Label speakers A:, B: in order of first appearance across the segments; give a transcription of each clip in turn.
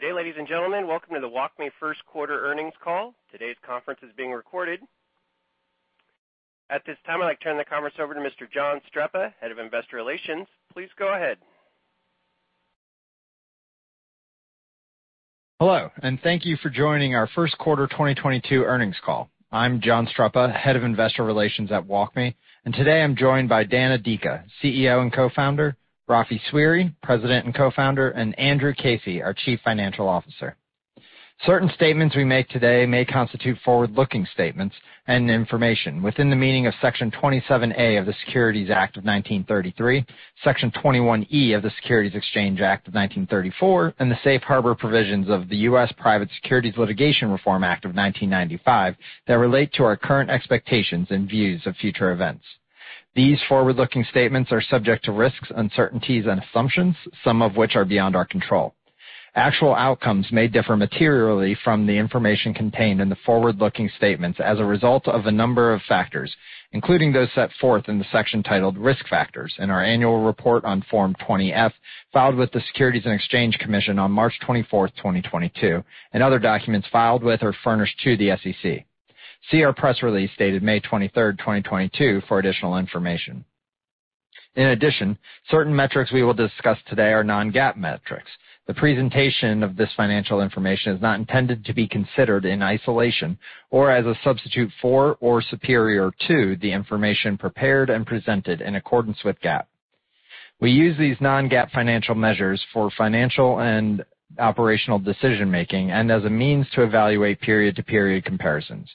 A: Good day, ladies and gentlemen. Welcome to the WalkMe first quarter earnings call. Today's conference is being recorded. At this time, I'd like to turn the conference over to Mr. John Streppa, Head of Investor Relations. Please go ahead.
B: Hello, and thank you for joining our First Quarter 2022 Earnings Call. I'm John Streppa, Head of Investor Relations at WalkMe. Today, I'm joined by Dan Adika, CEO and Co-founder, Rafi Sweary, President and Co-founder, and Andrew Casey, our Chief Financial Officer. Certain statements we make today may constitute forward-looking statements and information within the meaning of Section 27A of the Securities Act of 1933, Section 21E of the Securities Exchange Act of 1934, and the safe harbor provisions of the Private Securities Litigation Reform Act of 1995 that relate to our current expectations and views of future events. These forward-looking statements are subject to risks, uncertainties, and assumptions, some of which are beyond our control. Actual outcomes may differ materially from the information contained in the forward-looking statements as a result of a number of factors, including those set forth in the section titled Risk Factors in our annual report on Form 20-F, filed with the Securities and Exchange Commission on March 24, 2022, and other documents filed with or furnished to the SEC. See our press release dated May 23, 2022 for additional information. In addition, certain metrics we will discuss today are non-GAAP metrics. The presentation of this financial information is not intended to be considered in isolation or as a substitute for or superior to the information prepared and presented in accordance with GAAP. We use these non-GAAP financial measures for financial and operational decision-making and as a means to evaluate period-to-period comparisons.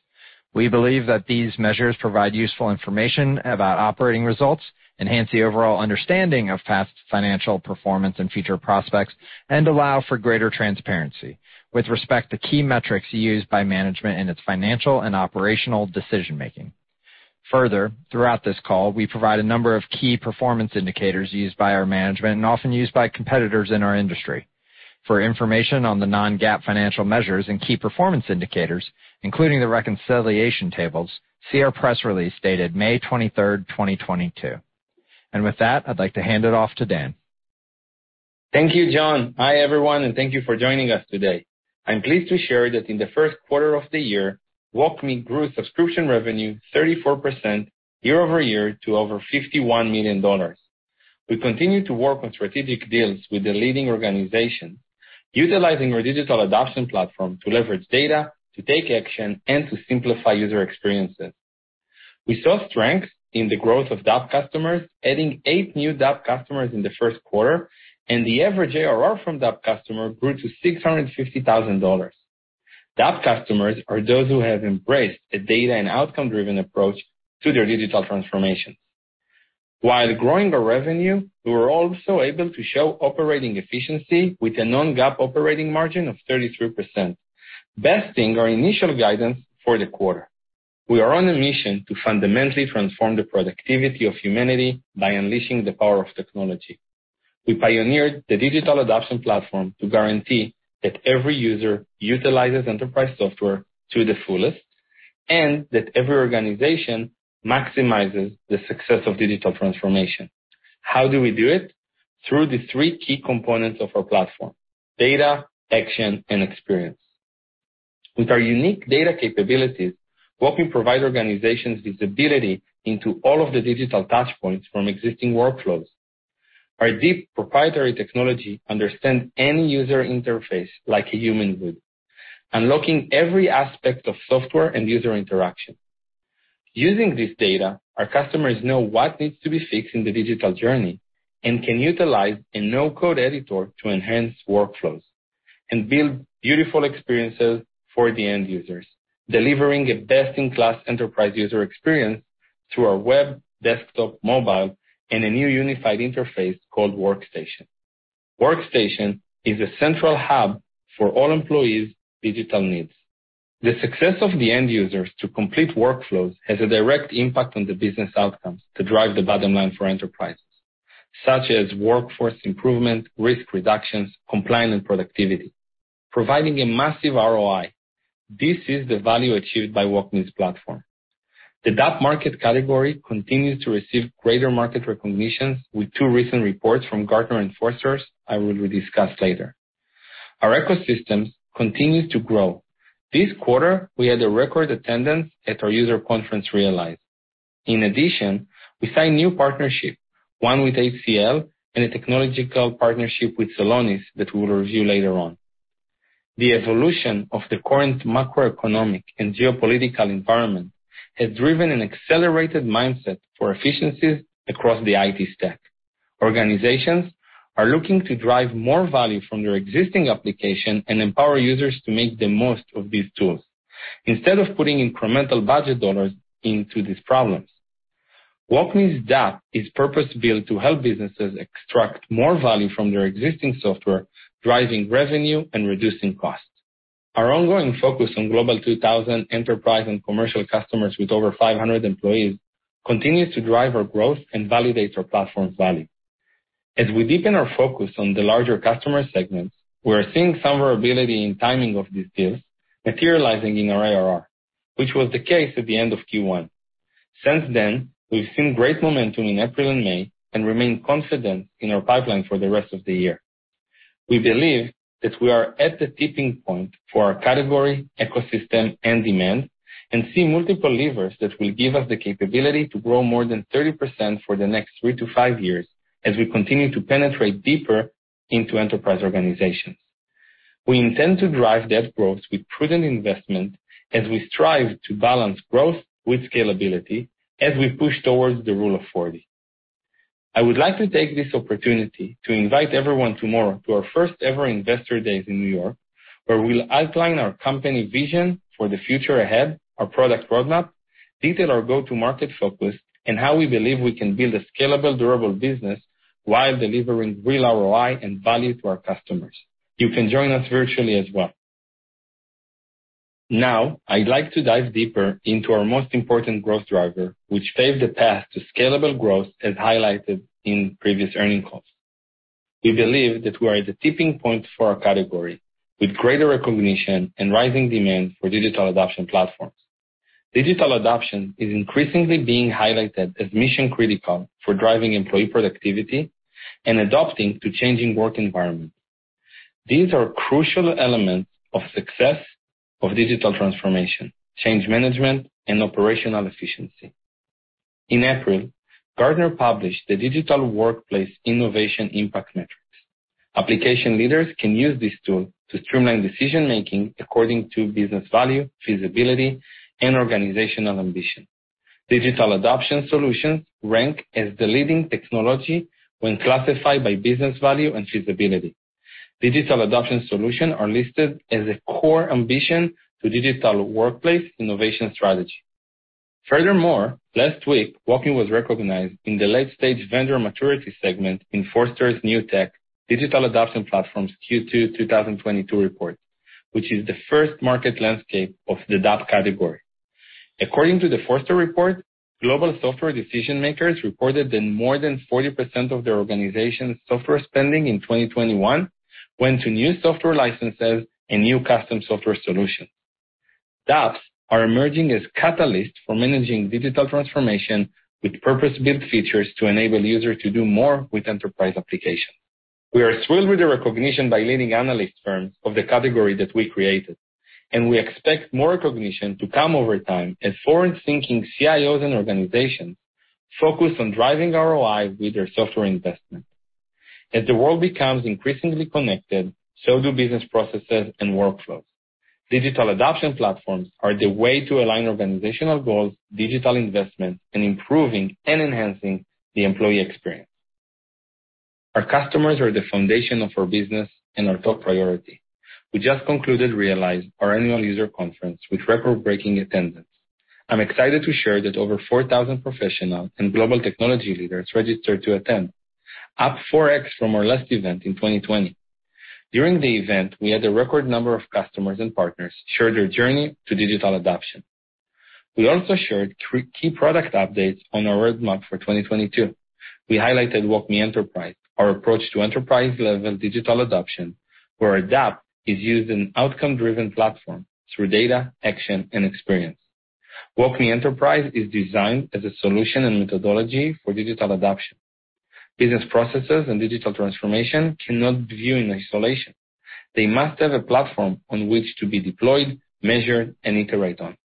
B: We believe that these measures provide useful information about operating results, enhance the overall understanding of past financial performance and future prospects, and allow for greater transparency with respect to key metrics used by management in its financial and operational decision-making. Further, throughout this call, we provide a number of key performance indicators used by our management and often used by competitors in our industry. For information on the non-GAAP financial measures and key performance indicators, including the reconciliation tables, see our press release dated May 23, 2022. With that, I'd like to hand it off to Dan.
C: Thank you, John. Hi, everyone, and thank you for joining us today. I'm pleased to share that in the first quarter of the year, WalkMe grew subscription revenue 34% year-over-year to over $51 million. We continue to work on strategic deals with the leading organizations, utilizing our digital adoption platform to leverage data, to take action, and to simplify user experiences. We saw strength in the growth of DAP customers, adding eight new DAP customers in the first quarter, and the average ARR from DAP customer grew to $650,000. DAP customers are those who have embraced a data and outcome-driven approach to their digital transformations. While growing our revenue, we were also able to show operating efficiency with a non-GAAP operating margin of 33%, besting our initial guidance for the quarter. We are on a mission to fundamentally transform the productivity of humanity by unleashing the power of technology. We pioneered the digital adoption platform to guarantee that every user utilizes enterprise software to the fullest, and that every organization maximizes the success of digital transformation. How do we do it? Through the three key components of our platform, data, action, and experience. With our unique data capabilities, WalkMe provide organizations visibility into all of the digital touchpoints from existing workflows. Our deep proprietary technology understands any user interface like a human would, unlocking every aspect of software and user interaction. Using this data, our customers know what needs to be fixed in the digital journey and can utilize a no-code editor to enhance workflows and build beautiful experiences for the end users, delivering a best-in-class enterprise user experience through our web, desktop, mobile, and a new unified interface called Workstation. Workstation is a central hub for all employees' digital needs. The success of the end users to complete workflows has a direct impact on the business outcomes to drive the bottom line for enterprises, such as workforce improvement, risk reductions, compliance, and productivity, providing a massive ROI. This is the value achieved by WalkMe's platform. The DAP market category continues to receive greater market recognitions with two recent reports from Gartner and Forrester I will discuss later. Our ecosystems continues to grow. This quarter, we had a record attendance at our user conference, Realize. In addition, we signed new partnership, one with HCL and a technological partnership with Celonis that we will review later on. The evolution of the current macroeconomic and geopolitical environment has driven an accelerated mindset for efficiencies across the IT stack. Organizations are looking to drive more value from their existing application and empower users to make the most of these tools instead of putting incremental budget dollars into these problems. WalkMe's DAP is purpose-built to help businesses extract more value from their existing software, driving revenue and reducing costs. Our ongoing focus on Global 2000 enterprise and commercial customers with over 500 employees continues to drive our growth and validates our platform's value. As we deepen our focus on the larger customer segments, we are seeing some variability in timing of these deals materializing in our ARR, which was the case at the end of Q1. Since then, we've seen great momentum in April and May and remain confident in our pipeline for the rest of the year. We believe that we are at the tipping point for our category, ecosystem, and demand, and see multiple levers that will give us the capability to grow more than 30% for the next 3-5 years as we continue to penetrate deeper into enterprise organizations. We intend to drive that growth with prudent investment as we strive to balance growth with scalability as we push towards the Rule of 40. I would like to take this opportunity to invite everyone tomorrow to our first ever investor day in New York, where we'll outline our company vision for the future ahead, our product roadmap, detail our go-to-market focus, and how we believe we can build a scalable, durable business while delivering real ROI and value to our customers. You can join us virtually as well. Now, I'd like to dive deeper into our most important growth driver, which paved the path to scalable growth as highlighted in previous earnings calls. We believe that we're at the tipping point for our category, with greater recognition and rising demand for digital adoption platforms. Digital adoption is increasingly being highlighted as mission-critical for driving employee productivity and adapting to changing work environments. These are crucial elements of success of digital transformation, change management, and operational efficiency. In April, Gartner published the digital workplace innovation impact metrics. Application leaders can use this tool to streamline decision-making according to business value, feasibility, and organizational ambition. Digital adoption solutions rank as the leading technology when classified by business value and feasibility. Digital adoption solutions are listed as a core ambition to digital workplace innovation strategy. Furthermore, last week, WalkMe was recognized in the late-stage vendor maturity segment in Forrester's new tech digital adoption platforms Q2 2022 report, which is the first market landscape of the DAP category. According to the Forrester report, global software decision-makers reported that more than 40% of their organization's software spending in 2021 went to new software licenses and new custom software solutions. DAPs are emerging as catalysts for managing digital transformation with purpose-built features to enable users to do more with enterprise applications. We are thrilled with the recognition by leading analyst firms of the category that we created, and we expect more recognition to come over time as forward-thinking CIOs and organizations focus on driving ROI with their software investment. As the world becomes increasingly connected, so do business processes and workflows. Digital Adoption Platforms are the way to align organizational goals, digital investments, and improving and enhancing the employee experience. Our customers are the foundation of our business and our top priority. We just concluded Realize, our annual user conference, with record-breaking attendance. I'm excited to share that over 4,000 professionals and global technology leaders registered to attend, up 4x from our last event in 2020. During the event, we had a record number of customers and partners share their journey to digital adoption. We also shared three key product updates on our roadmap for 2022. We highlighted WalkMe Enterprise, our approach to enterprise-level digital adoption, where Adapt is used as an outcome-driven platform through data, action, and experience. WalkMe Enterprise is designed as a solution and methodology for digital adoption. Business processes and digital transformation cannot be viewed in isolation. They must have a platform on which to be deployed, measured, and iterate on.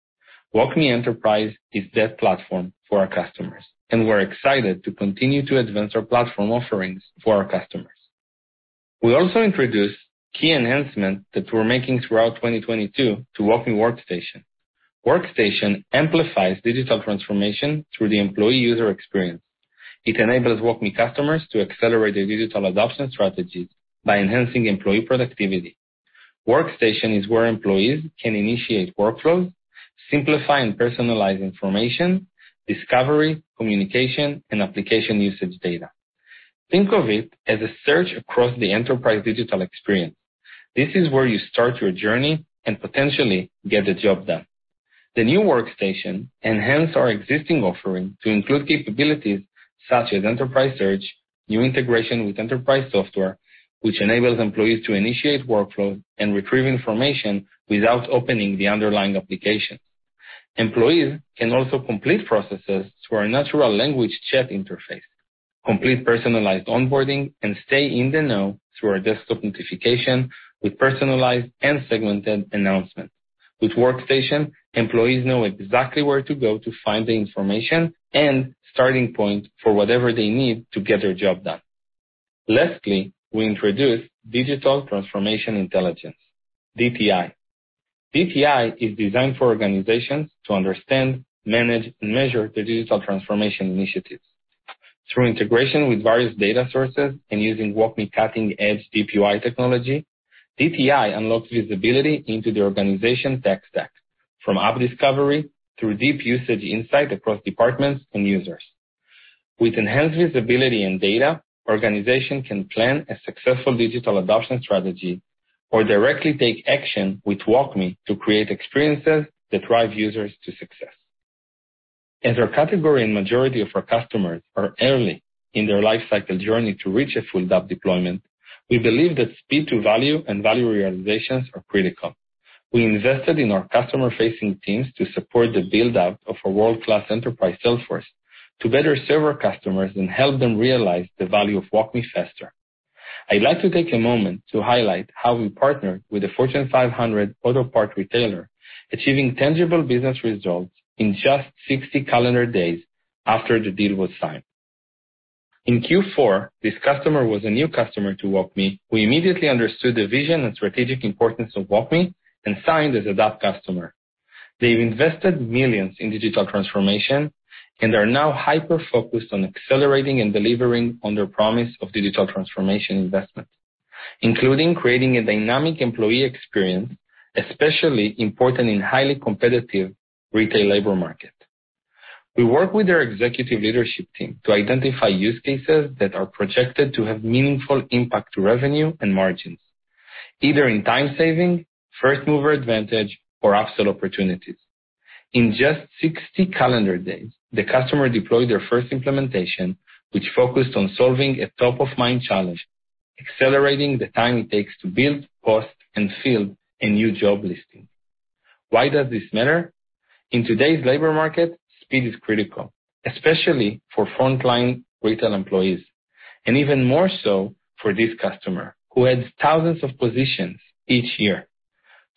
C: WalkMe Enterprise is that platform for our customers, and we're excited to continue to advance our platform offerings for our customers. We also introduced key enhancements that we're making throughout 2022 to WalkMe Workstation. Workstation amplifies digital transformation through the employee user experience. It enables WalkMe customers to accelerate their digital adoption strategies by enhancing employee productivity. Workstation is where employees can initiate workflows, simplify and personalize information, discovery, communication, and application usage data. Think of it as a search across the enterprise digital experience. This is where you start your journey and potentially get the job done. The new Workstation enhance our existing offering to include capabilities such as enterprise search, new integration with enterprise software, which enables employees to initiate workflows and retrieve information without opening the underlying application. Employees can also complete processes through our natural language chat interface, complete personalized onboarding, and stay in the know through our desktop notification with personalized and segmented announcements. With Workstation, employees know exactly where to go to find the information and starting point for whatever they need to get their job done. Lastly, we introduced Digital Transformation Intelligence, DTI. DTI is designed for organizations to understand, manage, and measure their digital transformation initiatives. Through integration with various data sources and using WalkMe cutting-edge DeepUI technology, DTI unlocks visibility into the organization tech stack, from app discovery through deep usage insight across departments and users. With enhanced visibility and data, organizations can plan a successful digital adoption strategy or directly take action with WalkMe to create experiences that drive users to success. As our category and majority of our customers are early in their life cycle journey to reach a full DAP deployment, we believe that speed to value and value realizations are critical. We invested in our customer-facing teams to support the build-out of a world-class enterprise sales force to better serve our customers and help them realize the value of WalkMe faster. I'd like to take a moment to highlight how we partnered with the Fortune 500 auto parts retailer, achieving tangible business results in just 60 calendar days after the deal was signed. In Q4, this customer was a new customer to WalkMe. We immediately understood the vision and strategic importance of WalkMe and signed as a DAP customer. They've invested millions in digital transformation and are now hyper-focused on accelerating and delivering on their promise of digital transformation investment, including creating a dynamic employee experience, especially important in highly competitive retail labor market. We work with their executive leadership team to identify use cases that are projected to have meaningful impact to revenue and margins, either in time saving, first mover advantage or upsell opportunities. In just 60 calendar days, the customer deployed their first implementation, which focused on solving a top-of-mind challenge, accelerating the time it takes to build, post, and fill a new job listing. Why does this matter? In today's labor market, speed is critical, especially for frontline retail employees, and even more so for this customer, who adds thousands of positions each year.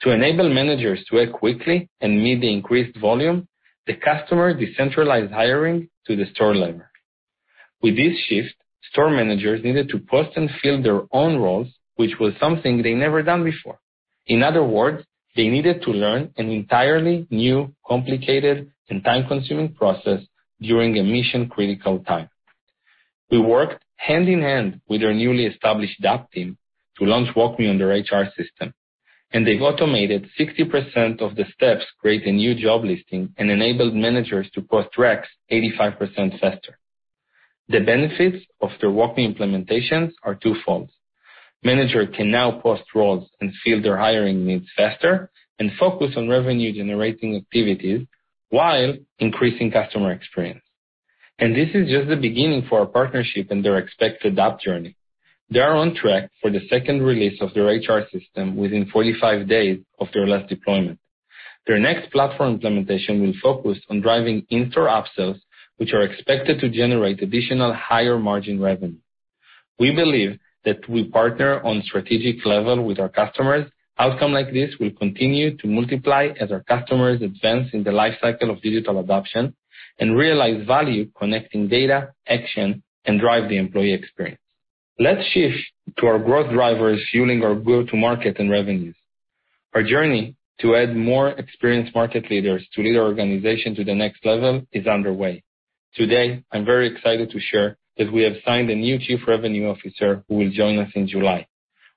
C: To enable managers to act quickly and meet the increased volume, the customer decentralized hiring to the store level. With this shift, store managers needed to post and fill their own roles, which was something they've never done before. In other words, they needed to learn an entirely new, complicated, and time-consuming process during a mission-critical time. We worked hand in hand with their newly established DAP team to launch WalkMe on their HR system, and they've automated 60% of the steps to create a new job listing and enabled managers to post reqs 85% faster. The benefits of their WalkMe implementations are twofold. Manager can now post roles and fill their hiring needs faster and focus on revenue-generating activities while increasing customer experience. This is just the beginning for our partnership and their expected DAP journey. They are on track for the second release of their HR system within 45 days of their last deployment. Their next platform implementation will focus on driving in-store upsells, which are expected to generate additional higher margin revenue. We believe that we partner on strategic level with our customers. Outcomes like this will continue to multiply as our customers advance in the life cycle of digital adoption and realize value connecting data, action, and drive the employee experience. Let's shift to our growth drivers fueling our go-to-market and revenues. Our journey to add more experienced market leaders to lead our organization to the next level is underway. Today, I'm very excited to share that we have signed a new chief revenue officer who will join us in July.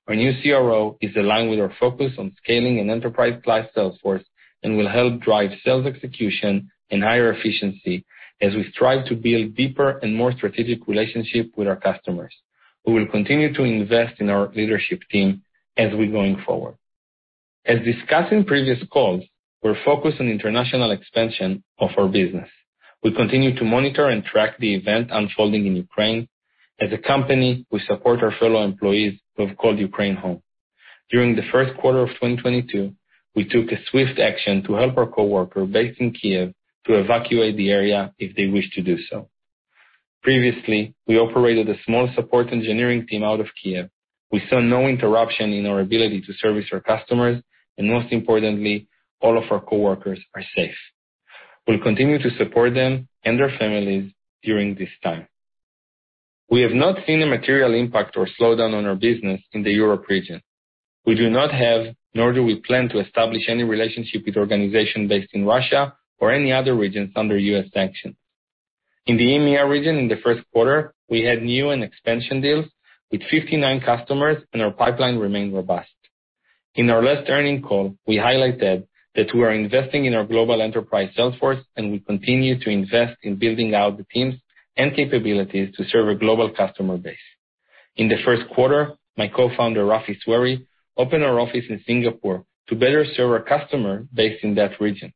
C: Our new CRO is aligned with our focus on scaling an enterprise plus sales force and will help drive sales execution and higher efficiency as we strive to build deeper and more strategic relationship with our customers. We will continue to invest in our leadership team as we're going forward. As discussed in previous calls, we're focused on international expansion of our business. We continue to monitor and track the event unfolding in Ukraine. As a company, we support our fellow employees who have called Ukraine home. During the first quarter of 2022, we took a swift action to help our coworker based in Kiev to evacuate the area if they wish to do so. Previously, we operated a small support engineering team out of Kiev. We saw no interruption in our ability to service our customers, and most importantly, all of our coworkers are safe. We'll continue to support them and their families during this time. We have not seen a material impact or slowdown on our business in the Europe region. We do not have, nor do we plan to establish any relationship with organizations based in Russia or any other regions under U.S. sanctions. In the EMEA region in the first quarter, we had new and expansion deals with 59 customers, and our pipeline remained robust. In our last earnings call, we highlighted that we are investing in our global enterprise sales force, and we continue to invest in building out the teams and capabilities to serve a global customer base. In the first quarter, my co-founder, Rafi Sweary, opened our office in Singapore to better serve our customer base in that region.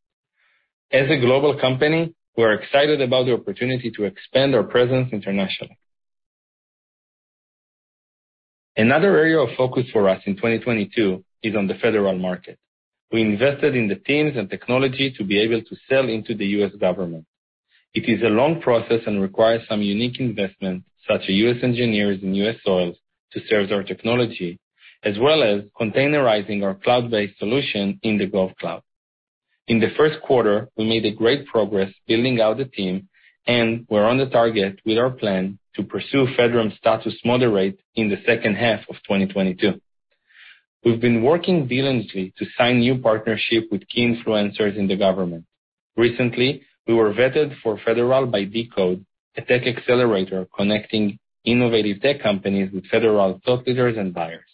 C: As a global company, we're excited about the opportunity to expand our presence internationally. Another area of focus for us in 2022 is on the federal market. We invested in the teams and technology to be able to sell into the U.S. government. It is a long process and requires some unique investment, such as U.S. engineers and U.S. soil, to serve our technology, as well as containerizing our cloud-based solution in the GovCloud. In the first quarter, we made great progress building out the team, and we're on target with our plan to pursue FedRAMP moderate status in the second half of 2022. We've been working diligently to sign new partnerships with key influencers in the government. Recently, we were vetted for federal by Dcode, a tech accelerator connecting innovative tech companies with federal thought leaders and buyers.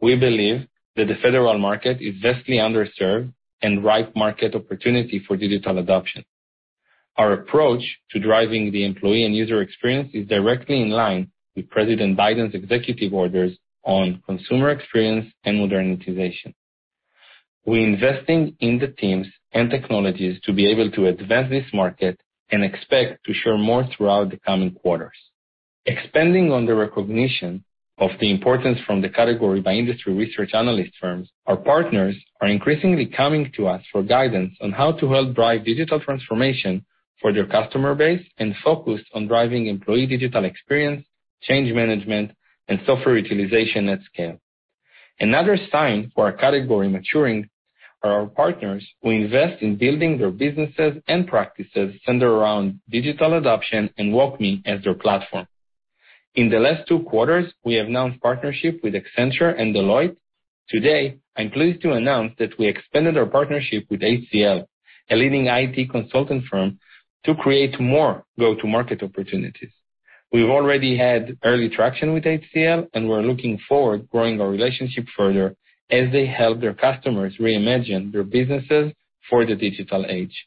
C: We believe that the federal market is vastly underserved and ripe market opportunity for digital adoption. Our approach to driving the employee and user experience is directly in line with President Biden's executive orders on consumer experience and modernization. We're investing in the teams and technologies to be able to advance this market and expect to share more throughout the coming quarters. Expanding on the recognition of the importance from the category by industry research analyst firms, our partners are increasingly coming to us for guidance on how to help drive digital transformation for their customer base and focus on driving employee digital experience, change management, and software utilization at scale. Another sign for our category maturing are our partners who invest in building their businesses and practices centered around digital adoption and WalkMe as their platform. In the last two quarters, we have announced partnership with Accenture and Deloitte. Today, I'm pleased to announce that we expanded our partnership with HCL, a leading IT consulting firm, to create more go-to-market opportunities. We've already had early traction with HCL, and we're looking forward to growing our relationship further as they help their customers reimagine their businesses for the digital age.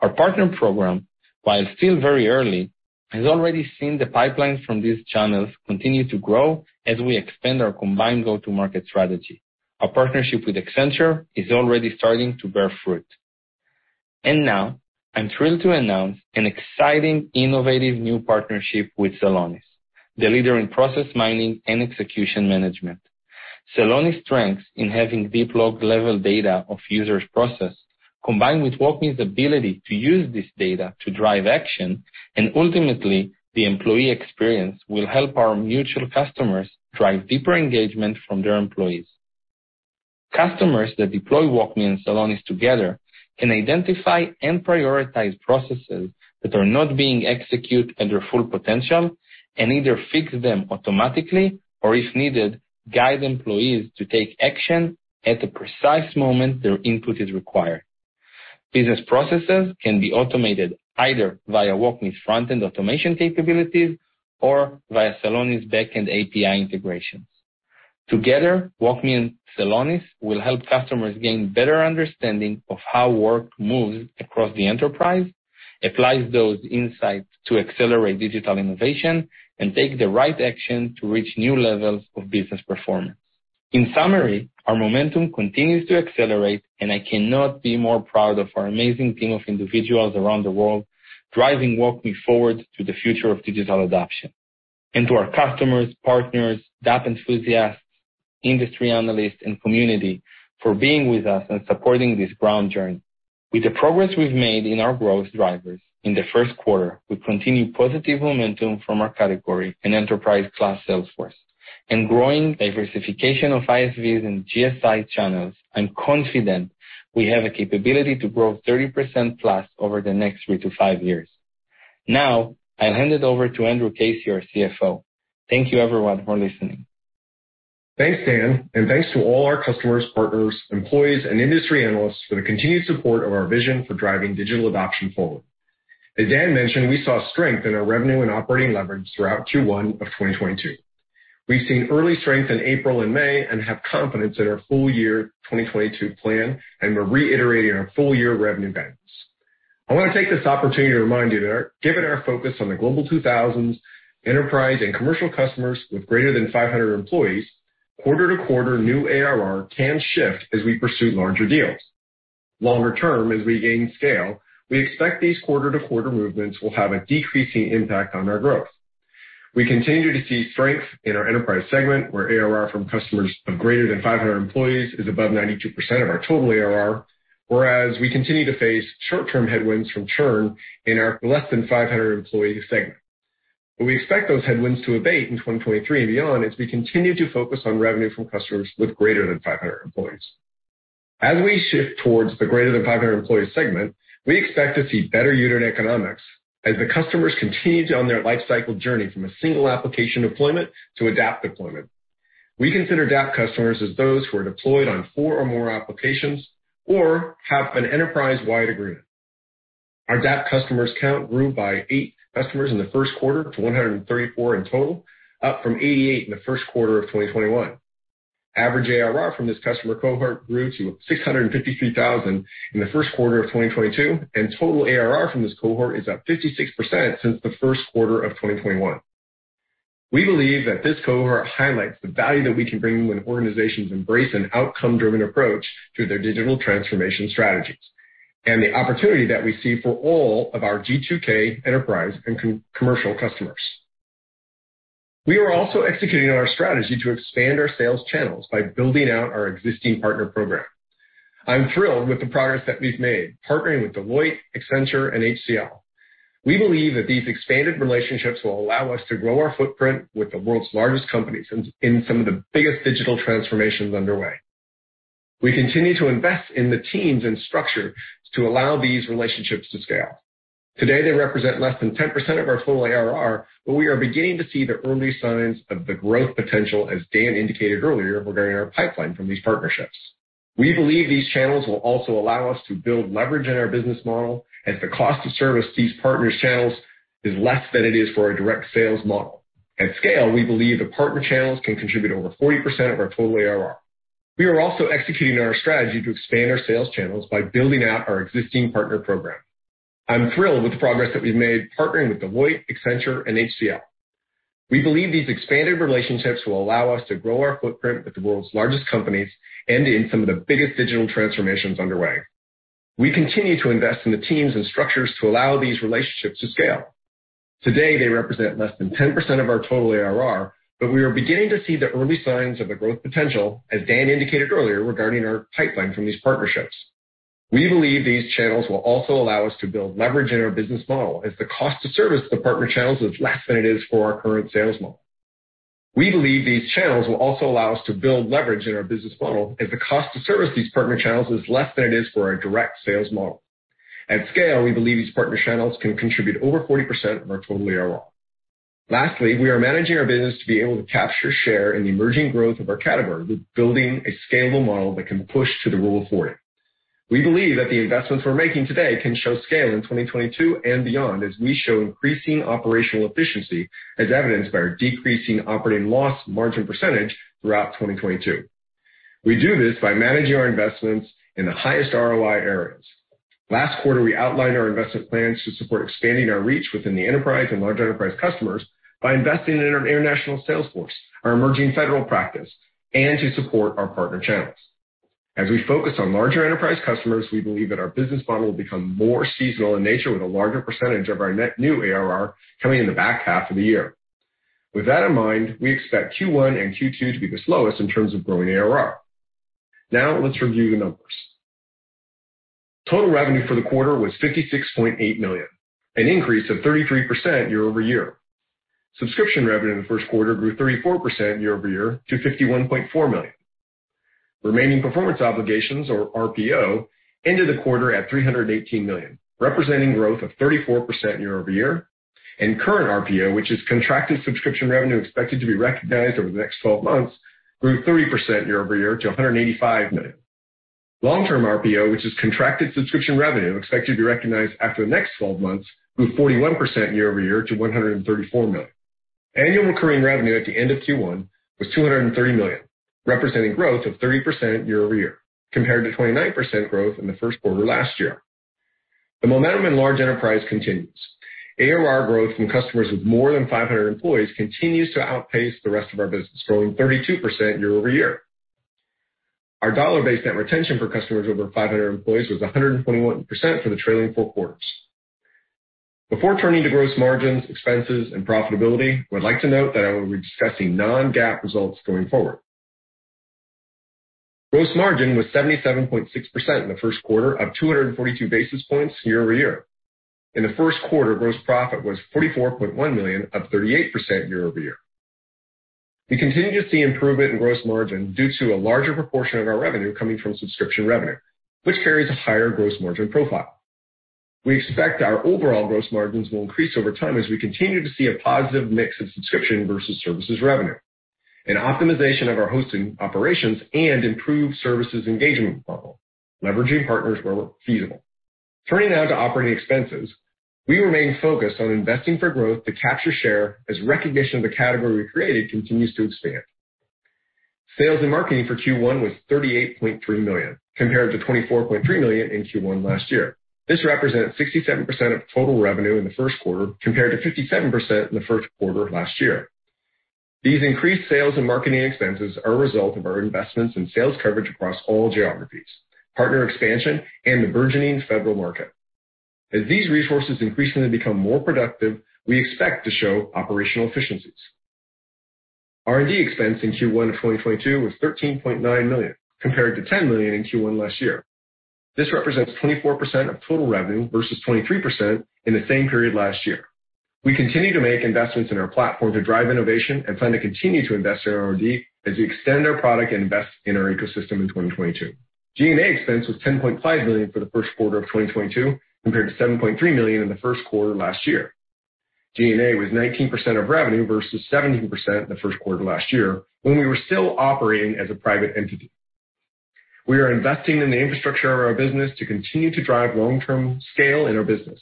C: Our partner program, while still very early, has already seen the pipeline from these channels continue to grow as we expand our combined go-to-market strategy. Our partnership with Accenture is already starting to bear fruit. Now, I'm thrilled to announce an exciting, innovative new partnership with Celonis, the leader in process mining and execution management. Celonis' strength in having deep log-level data of users' process, combined with WalkMe's ability to use this data to drive action and ultimately the employee experience, will help our mutual customers drive deeper engagement from their employees. Customers that deploy WalkMe and Celonis together can identify and prioritize processes that are not being executed under full potential and either fix them automatically or, if needed, guide employees to take action at the precise moment their input is required. Business processes can be automated either via WalkMe's front-end automation capabilities or via Celonis' backend API integrations. Together, WalkMe and Celonis will help customers gain better understanding of how work moves across the enterprise, applies those insights to accelerate digital innovation, and take the right action to reach new levels of business performance. In summary, our momentum continues to accelerate, and I cannot be more proud of our amazing team of individuals around the world driving WalkMe forward to the future of digital adoption. To our customers, partners, DAP enthusiasts, industry analysts, and community for being with us and supporting this grand journey. With the progress we've made in our growth drivers in the first quarter, we continue positive momentum from our category in enterprise-class Salesforce. In growing diversification of ISVs and GSI channels, I'm confident we have a capability to grow 30%+ over the next 3 to 5 years. Now, I'll hand it over to Andrew Casey, our CFO. Thank you, everyone, for listening.
D: Thanks, Dan, and thanks to all our customers, partners, employees, and industry analysts for the continued support of our vision for driving digital adoption forward. As Dan mentioned, we saw strength in our revenue and operating leverage throughout Q1 of 2022. We've seen early strength in April and May and have confidence in our full year 2022 plan, and we're reiterating our full-year revenue guidance. I wanna take this opportunity to remind you that, given our focus on the Global 2000 enterprise and commercial customers with greater than 500 employees, quarter-to-quarter new ARR can shift as we pursue larger deals. Longer term, as we gain scale, we expect these quarter-to-quarter movements will have a decreasing impact on our growth. We continue to see strength in our enterprise segment, where ARR from customers of greater than 500 employees is above 92% of our total ARR, whereas we continue to face short-term headwinds from churn in our less than 500 employee segment. We expect those headwinds to abate in 2023 and beyond as we continue to focus on revenue from customers with greater than 500 employees. As we shift towards the greater than 500 employee segment, we expect to see better unit economics as the customers continue on their life cycle journey from a single application deployment to DAP deployment. We consider DAP customers as those who are deployed on four or more applications or have an enterprise-wide agreement. Our DAP customers count grew by eight customers in the first quarter to 134 in total, up from 88 in the first quarter of 2021. Average ARR from this customer cohort grew to $653,000 in the first quarter of 2022, and total ARR from this cohort is up 56% since the first quarter of 2021. We believe that this cohort highlights the value that we can bring when organizations embrace an outcome-driven approach to their digital transformation strategies and the opportunity that we see for all of our G2K enterprise and non-commercial customers. We are also executing on our strategy to expand our sales channels by building out our existing partner program. I'm thrilled with the progress that we've made partnering with Deloitte, Accenture, and HCL. We believe that these expanded relationships will allow us to grow our footprint with the world's largest companies in some of the biggest digital transformations underway. We continue to invest in the teams and structure to allow these relationships to scale. Today, they represent less than 10% of our total ARR, but we are beginning to see the early signs of the growth potential, as Dan indicated earlier, regarding our pipeline from these partnerships. We believe these channels will also allow us to build leverage in our business model, as the cost to service these partners' channels is less than it is for our direct sales model. At scale, we believe the partner channels can contribute over 40% of our total ARR. We are also executing our strategy to expand our sales channels by building out our existing partner program. I'm thrilled with the progress that we've made partnering with Deloitte, Accenture, and HCL. We believe these expanded relationships will allow us to grow our footprint with the world's largest companies and in some of the biggest digital transformations underway. We continue to invest in the teams and structures to allow these relationships to scale. Today, they represent less than 10% of our total ARR, but we are beginning to see the early signs of the growth potential, as Dan indicated earlier regarding our pipeline from these partnerships. We believe these channels will also allow us to build leverage in our business model as the cost to service the partner channels is less than it is for our current sales model. We believe these channels will also allow us to build leverage in our business model if the cost to service these partner channels is less than it is for our direct sales model. At scale, we believe these partner channels can contribute over 40% of our total ARR. Lastly, we are managing our business to be able to capture share in the emerging growth of our category with building a scalable model that can push to the Rule of 40. We believe that the investments we're making today can show scale in 2022 and beyond as we show increasing operational efficiency, as evidenced by our decreasing operating loss margin percentage throughout 2022. We do this by managing our investments in the highest ROI areas. Last quarter, we outlined our investment plans to support expanding our reach within the enterprise and large enterprise customers by investing in our international sales force, our emerging federal practice, and to support our partner channels. As we focus on larger enterprise customers, we believe that our business model will become more seasonal in nature with a larger percentage of our net new ARR coming in the back half of the year. With that in mind, we expect Q1 and Q2 to be the slowest in terms of growing ARR. Now let's review the numbers. Total revenue for the quarter was $56.8 million, an increase of 33% year-over-year. Subscription revenue in the first quarter grew 34% year-over-year to $51.4 million. Remaining performance obligations or RPO ended the quarter at $318 million, representing growth of 34% year-over-year. Current RPO, which is contracted subscription revenue expected to be recognized over the next 12 months, grew 3% year-over-year to $185 million. Long-term RPO, which is contracted subscription revenue expected to be recognized after the next twelve months, grew 41% year-over-year to $134 million. Annual recurring revenue at the end of Q1 was $230 million, representing growth of 30% year-over-year compared to 29% growth in the first quarter last year. The momentum in large enterprise continues. ARR growth from customers with more than 500 employees continues to outpace the rest of our business, growing 32% year-over-year. Our dollar-based net retention for customers over 500 employees was 121% for the trailing four quarters. Before turning to gross margins, expenses, and profitability, I would like to note that I will be discussing non-GAAP results going forward. Gross margin was 77.6% in the first quarter, up 242 basis points year-over-year. In the first quarter, gross profit was $44.1 million, up 38% year-over-year. We continue to see improvement in gross margin due to a larger proportion of our revenue coming from subscription revenue, which carries a higher gross margin profile. We expect our overall gross margins will increase over time as we continue to see a positive mix of subscription versus services revenue and optimization of our hosting operations and improved services engagement model, leveraging partners where feasible. Turning now to operating expenses. We remain focused on investing for growth to capture share as recognition of the category we created continues to expand. Sales and marketing for Q1 was $38.3 million, compared to $24.3 million in Q1 last year. This represents 67% of total revenue in the first quarter, compared to 57% in the first quarter of last year. These increased sales and marketing expenses are a result of our investments in sales coverage across all geographies, partner expansion and the burgeoning federal market. As these resources increasingly become more productive, we expect to show operational efficiencies. R&D expense in Q1 of 2022 was $13.9 million, compared to $10 million in Q1 last year. This represents 24% of total revenue versus 23% in the same period last year. We continue to make investments in our platform to drive innovation and plan to continue to invest in R&D as we extend our product and invest in our ecosystem in 2022. G&A expense was $10.5 million for the first quarter of 2022, compared to $7.3 million in the first quarter last year. G&A was 19% of revenue versus 17% in the first quarter last year when we were still operating as a private entity. We are investing in the infrastructure of our business to continue to drive long-term scale in our business.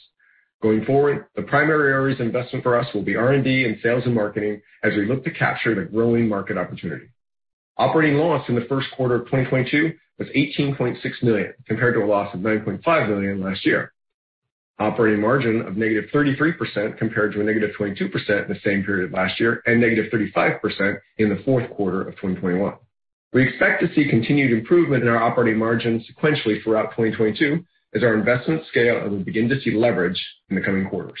D: Going forward, the primary areas of investment for us will be R&D and sales and marketing as we look to capture the growing market opportunity. Operating loss in the first quarter of 2022 was $18.6 million, compared to a loss of $9.5 million last year. Operating margin of -33% compared to a -22% in the same period last year, and -35% in the fourth quarter of 2021. We expect to see continued improvement in our operating margin sequentially throughout 2022 as our investments scale and we begin to see leverage in the coming quarters.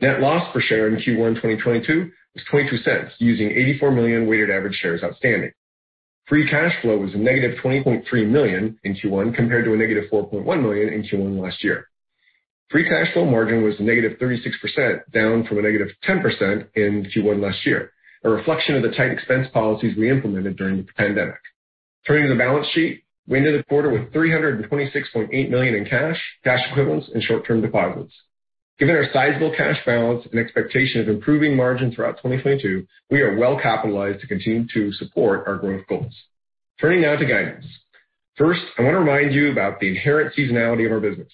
D: Net loss per share in Q1 2022 was $0.22, using 84 million weighted average shares outstanding. Free cash flow was -$20.3 million in Q1, compared to a -$4.1 million in Q1 last year. Free cash flow margin was -36%, down from a -10% in Q1 last year, a reflection of the tight expense policies we implemented during the pandemic. Turning to the balance sheet, we ended the quarter with $326.8 million in cash equivalents, and short-term deposits. Given our sizable cash balance and expectation of improving margins throughout 2022, we are well capitalized to continue to support our growth goals. Turning now to guidance. First, I want to remind you about the inherent seasonality of our business.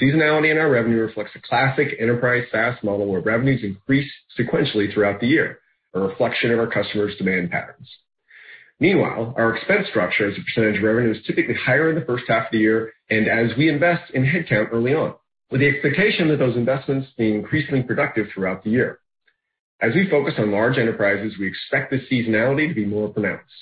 D: Seasonality in our revenue reflects a classic enterprise SaaS model where revenues increase sequentially throughout the year, a reflection of our customers' demand patterns. Meanwhile, our expense structure as a percentage of revenue is typically higher in the first half of the year, and as we invest in headcount early on, with the expectation that those investments being increasingly productive throughout the year. As we focus on large enterprises, we expect this seasonality to be more pronounced.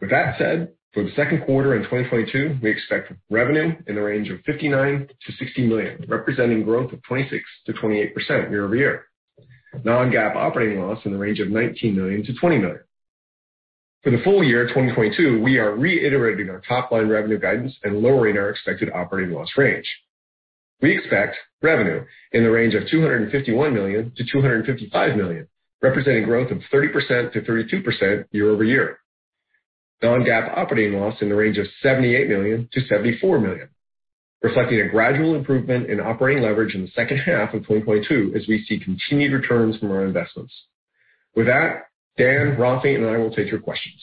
D: With that said, for the second quarter in 2022, we expect revenue in the range of $59 million-$60 million, representing growth of 26%-28% year-over-year. Non-GAAP operating loss in the range of $19 million-$20 million. For the full year 2022, we are reiterating our top line revenue guidance and lowering our expected operating loss range. We expect revenue in the range of $251 million-$255 million, representing growth of 30%-32% year-over-year. Non-GAAP operating loss in the range of $78 million-$74 million, reflecting a gradual improvement in operating leverage in the second half of 2022 as we see continued returns from our investments. With that, Dan, Rafi, and I will take your questions.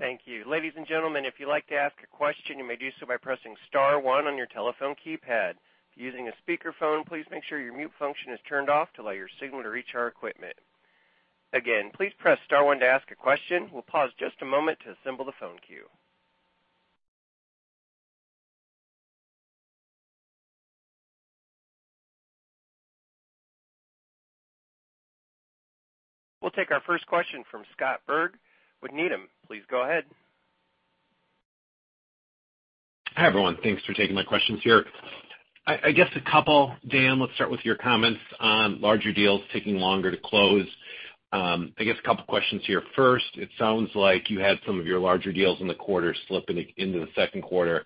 A: Thank you. Ladies and gentlemen, if you'd like to ask a question, you may do so by pressing star one on your telephone keypad. If you're using a speakerphone, please make sure your mute function is turned off to allow your signal to reach our equipment. Again, please press star one to ask a question. We'll pause just a moment to assemble the phone queue. We'll take our first question from Scott Berg with Needham. Please go ahead.
E: Hi, everyone. Thanks for taking my questions here. I guess a couple, Dan, let's start with your comments on larger deals taking longer to close. I guess a couple questions here. First, it sounds like you had some of your larger deals in the quarter slip into the second quarter.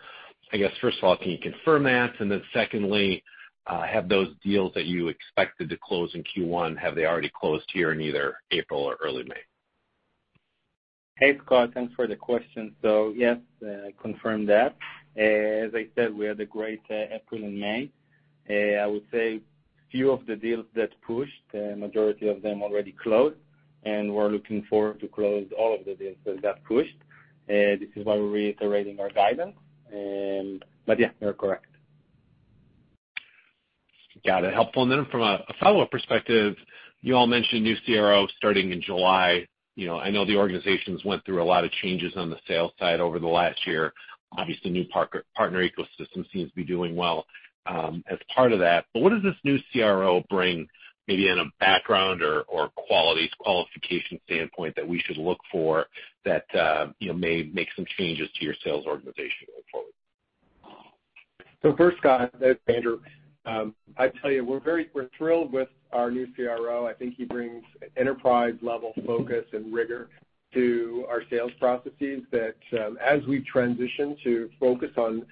E: I guess, first of all, can you confirm that? And then secondly, have those deals that you expected to close in Q1, have they already closed here in either April or early May?
C: Hey, Scott, thanks for the question. Yes, confirm that. As I said, we had a great April and May. I would say few of the deals that pushed, majority of them already closed, and we're looking forward to close all of the deals that pushed. This is why we're reiterating our guidance. Yeah, you are correct.
E: Got it. Helpful. From a follow-up perspective, you all mentioned new CRO starting in July. You know, I know the organization's went through a lot of changes on the sales side over the last year. Obviously, new partner ecosystem seems to be doing well, as part of that. What does this new CRO bring maybe in a background or qualities, qualification standpoint that we should look for that, you know, may make some changes to your sales organization going forward?
D: First, Scott, this is Andrew. I'd tell you we're very thrilled with our new CRO. I think he brings enterprise-level focus and rigor to our sales processes that, as we transition to focus on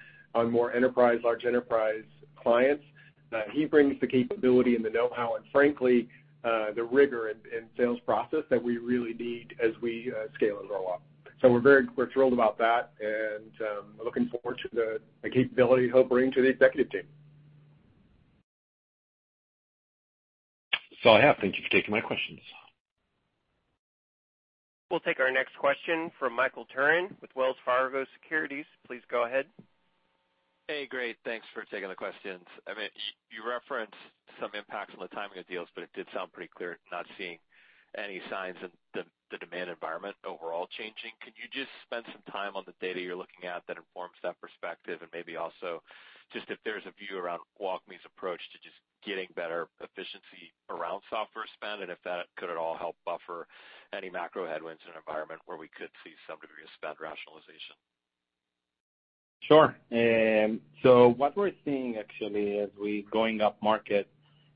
D: more enterprise, large enterprise clients, he brings the capability and the know-how and frankly, the rigor in sales process that we really need as we scale and grow up. We're very thrilled about that and we're looking forward to the capability he'll bring to the executive team.
E: That's all I have. Thank you for taking my questions.
A: We'll take our next question from Michael Turrin with Wells Fargo Securities. Please go ahead.
F: Hey, great. Thanks for taking the questions. I mean, you referenced some impacts on the timing of deals, but it did sound pretty clear not seeing any signs in the demand environment overall changing. Can you just spend some time on the data you're looking at that informs that perspective, and maybe also just if there's a view around WalkMe's approach to just getting better efficiency around software spend, and if that could at all help buffer any macro headwinds in an environment where we could see some degree of spend rationalization?
C: Sure. What we're seeing actually as we going up market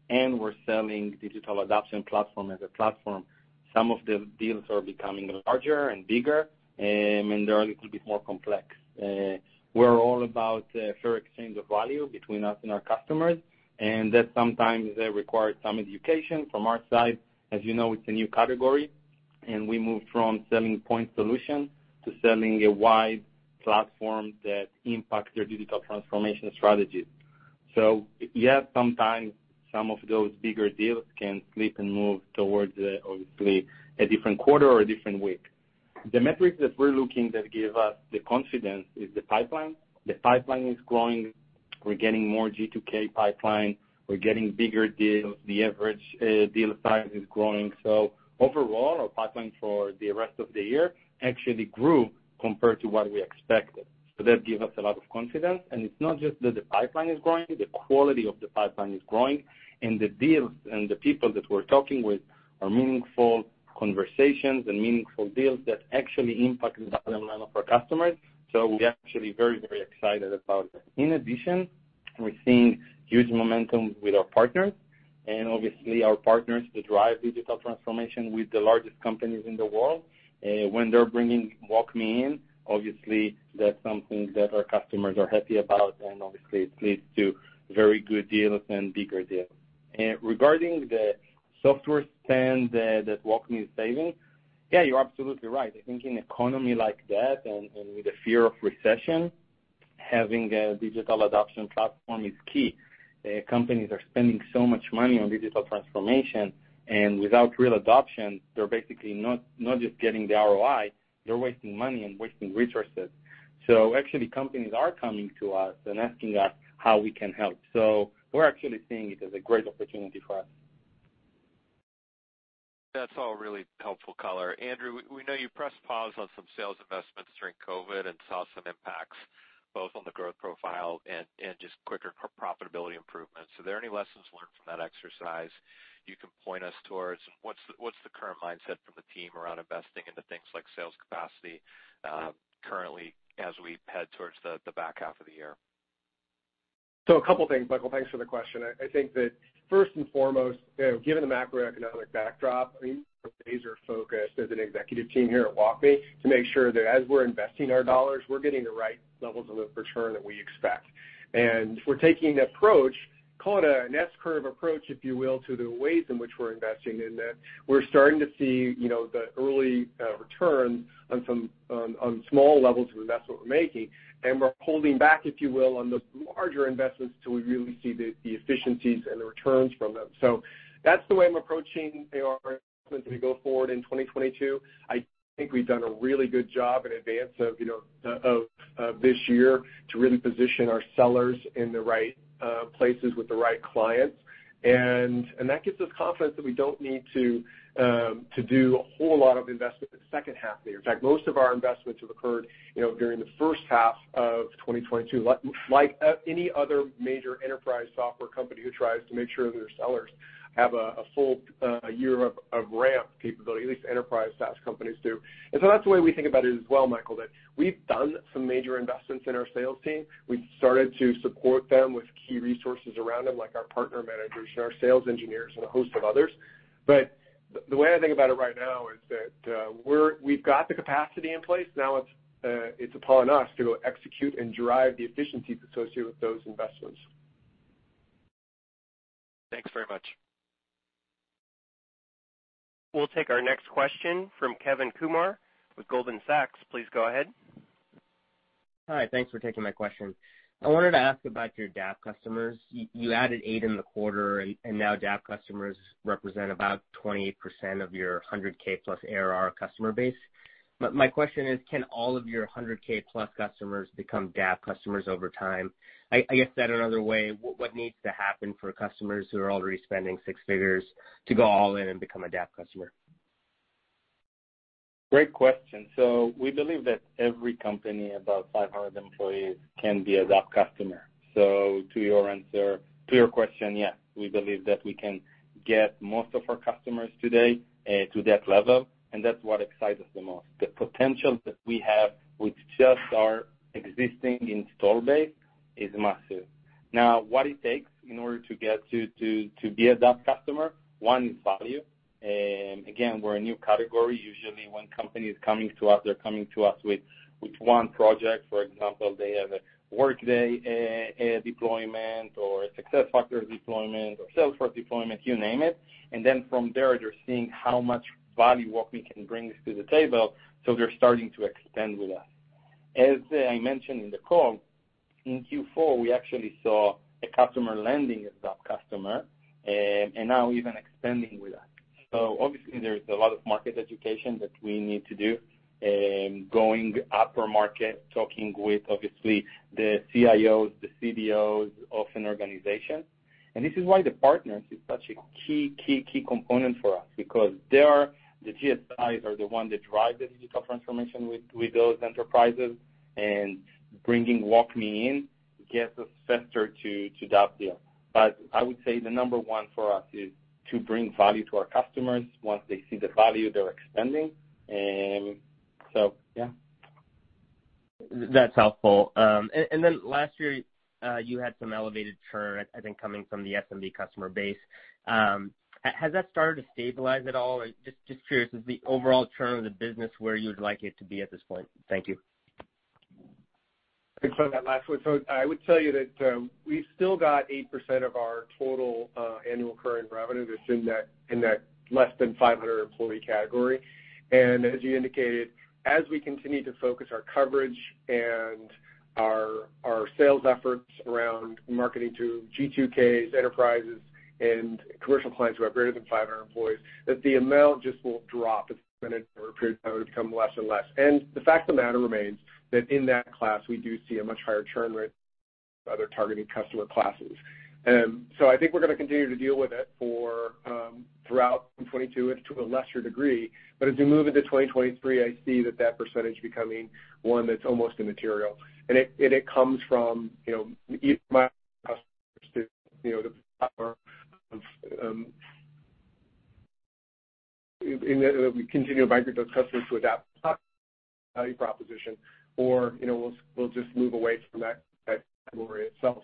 C: and we're selling Digital Adoption Platform as a platform, some of the deals are becoming larger and bigger, and they're a little bit more complex. We're all about a fair exchange of value between us and our customers, and that sometimes requires some education from our side. As you know, it's a new category, and we moved from selling point solution to selling a wide platform that impacts their digital transformation strategies. Yes, sometimes some of those bigger deals can slip and move towards, obviously, a different quarter or a different week. The metrics that we're looking that give us the confidence is the pipeline. The pipeline is growing. We're getting more G2K pipeline. We're getting bigger deals. The average deal size is growing. Overall, our pipeline for the rest of the year actually grew compared to what we expected. That give us a lot of confidence. It's not just that the pipeline is growing, the quality of the pipeline is growing, and the deals and the people that we're talking with are meaningful conversations and meaningful deals that actually impact the bottom line of our customers. We're actually very, very excited about that. In addition, we're seeing huge momentum with our partners, and obviously, our partners that drive digital transformation with the largest companies in the world. When they're bringing WalkMe in, obviously that's something that our customers are happy about, and obviously it leads to very good deals and bigger deals. Regarding the software spend that WalkMe is saving, yeah, you're absolutely right. I think in economy like that and with the fear of recession, having a digital adoption platform is key. Companies are spending so much money on digital transformation, and without real adoption, they're basically not just getting the ROI, they're wasting money and wasting resources. Actually companies are coming to us and asking us how we can help. We're actually seeing it as a great opportunity for us.
F: That's all really helpful color. Andrew, we know you pressed pause on some sales investments during COVID and saw some impacts both on the growth profile and just quicker profitability improvements. Are there any lessons learned from that exercise you can point us towards? What's the current mindset from the team around investing into things like sales capacity currently as we head towards the back half of the year?
D: A couple things, Michael. Thanks for the question. I think that first and foremost, you know, given the macroeconomic backdrop, I mean, we're laser focused as an executive team here at WalkMe to make sure that as we're investing our dollars, we're getting the right levels of the return that we expect. We're taking the approach, call it an S-curve approach, if you will, to the ways in which we're investing in that we're starting to see, you know, the early returns on some small levels of investment we're making, and we're holding back, if you will, on the larger investments till we really see the efficiencies and the returns from them. That's the way I'm approaching our investments as we go forward in 2022. I think we've done a really good job in advance of, you know, of this year to really position our sellers in the right places with the right clients. That gives us confidence that we don't need to do a whole lot of investment the second half of the year. In fact, most of our investments have occurred, you know, during the first half of 2022, like any other major enterprise software company who tries to make sure their sellers have a full year of ramp capability, at least enterprise SaaS companies do. That's the way we think about it as well, Michael, that we've done some major investments in our sales team. We've started to support them with key resources around them, like our partner managers and our sales engineers and a host of others. The way I think about it right now is that we've got the capacity in place. Now it's upon us to execute and drive the efficiencies associated with those investments.
F: Thanks very much.
A: We'll take our next question from Kevin Kumar with Goldman Sachs. Please go ahead.
G: Hi. Thanks for taking my question. I wanted to ask about your DAP customers. You added eight in the quarter, and now DAP customers represent about 28% of your 100K+ ARR customer base. But my question is, can all of your 100K+ customers become DAP customers over time? I guess said another way, what needs to happen for customers who are already spending six figures to go all in and become a DAP customer?
C: Great question. We believe that every company above 500 employees can be a DAP customer. To your answer, to your question, yes, we believe that we can get most of our customers today to that level, and that's what excites us the most. The potential that we have with just our existing install base is massive. Now, what it takes in order to get to be a DAP customer, one is value. Again, we're a new category. Usually, when company is coming to us, they're coming to us with one project. For example, they have a Workday deployment or a Success Factors deployment or Salesforce deployment, you name it. Then from there, they're seeing how much value WalkMe can bring to the table, so they're starting to expand with us. As I mentioned in the call, in Q4, we actually saw a customer landing a DAP customer, and now even expanding with us. Obviously there is a lot of market education that we need to do, going upper market, talking with obviously the CIOs, the CDOs of an organization. This is why the partners is such a key component for us because they are the GSIs the one that drive the digital transformation with those enterprises, and bringing WalkMe in gets us faster to that deal. I would say the number one for us is to bring value to our customers. Once they see the value, they're expanding. Yeah.
G: That's helpful. Last year, you had some elevated churn, I think, coming from the SMB customer base. Has that started to stabilize at all? Just curious, is the overall churn of the business where you would like it to be at this point? Thank you.
D: Thanks for that last one. I would tell you that we've still got 8% of our total annual recurring revenue that's in that less than 500-employee category. As you indicated, as we continue to focus our coverage and our sales efforts around marketing to G2Ks, enterprises and commercial clients who have greater than 500 employees, that the amount just will drop. It's gonna, over a period of time, become less and less. The fact of the matter remains that in that class, we do see a much higher churn rate than other targeted customer classes. I think we're gonna continue to deal with it for throughout 2022, even to a lesser degree. As we move into 2023, I see that that percentage becoming one that's almost immaterial. It comes from, you know, multiple customers to, you know, the power of, in that we continue to migrate those customers to adopt the value proposition or, you know, we'll just move away from that category itself.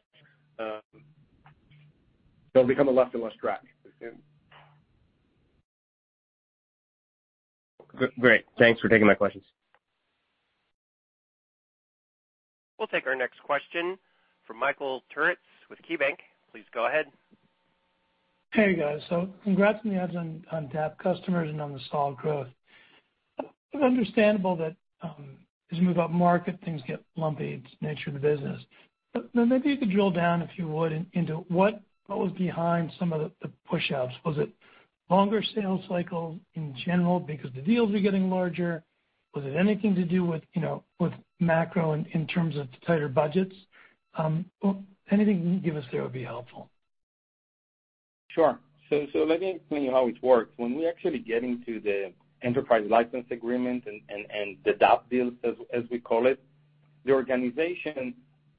D: It'll become a less and less drag.
G: Great. Thanks for taking my questions.
A: We'll take our next question from Michael Turits with KeyBanc. Please go ahead.
H: Hey, guys. Congrats on the add-ons on DAP customers and on the install growth. It's understandable that as you move up market, things get lumpy. It's the nature of the business. Maybe you could drill down, if you would, into what was behind some of the push outs. Was it longer sales cycles in general because the deals are getting larger? Was it anything to do with, you know, with macro in terms of tighter budgets? Anything you can give us there would be helpful.
C: Sure. Let me explain how it works. When we actually get into the enterprise license agreement and the DAP deals, as we call it, the organization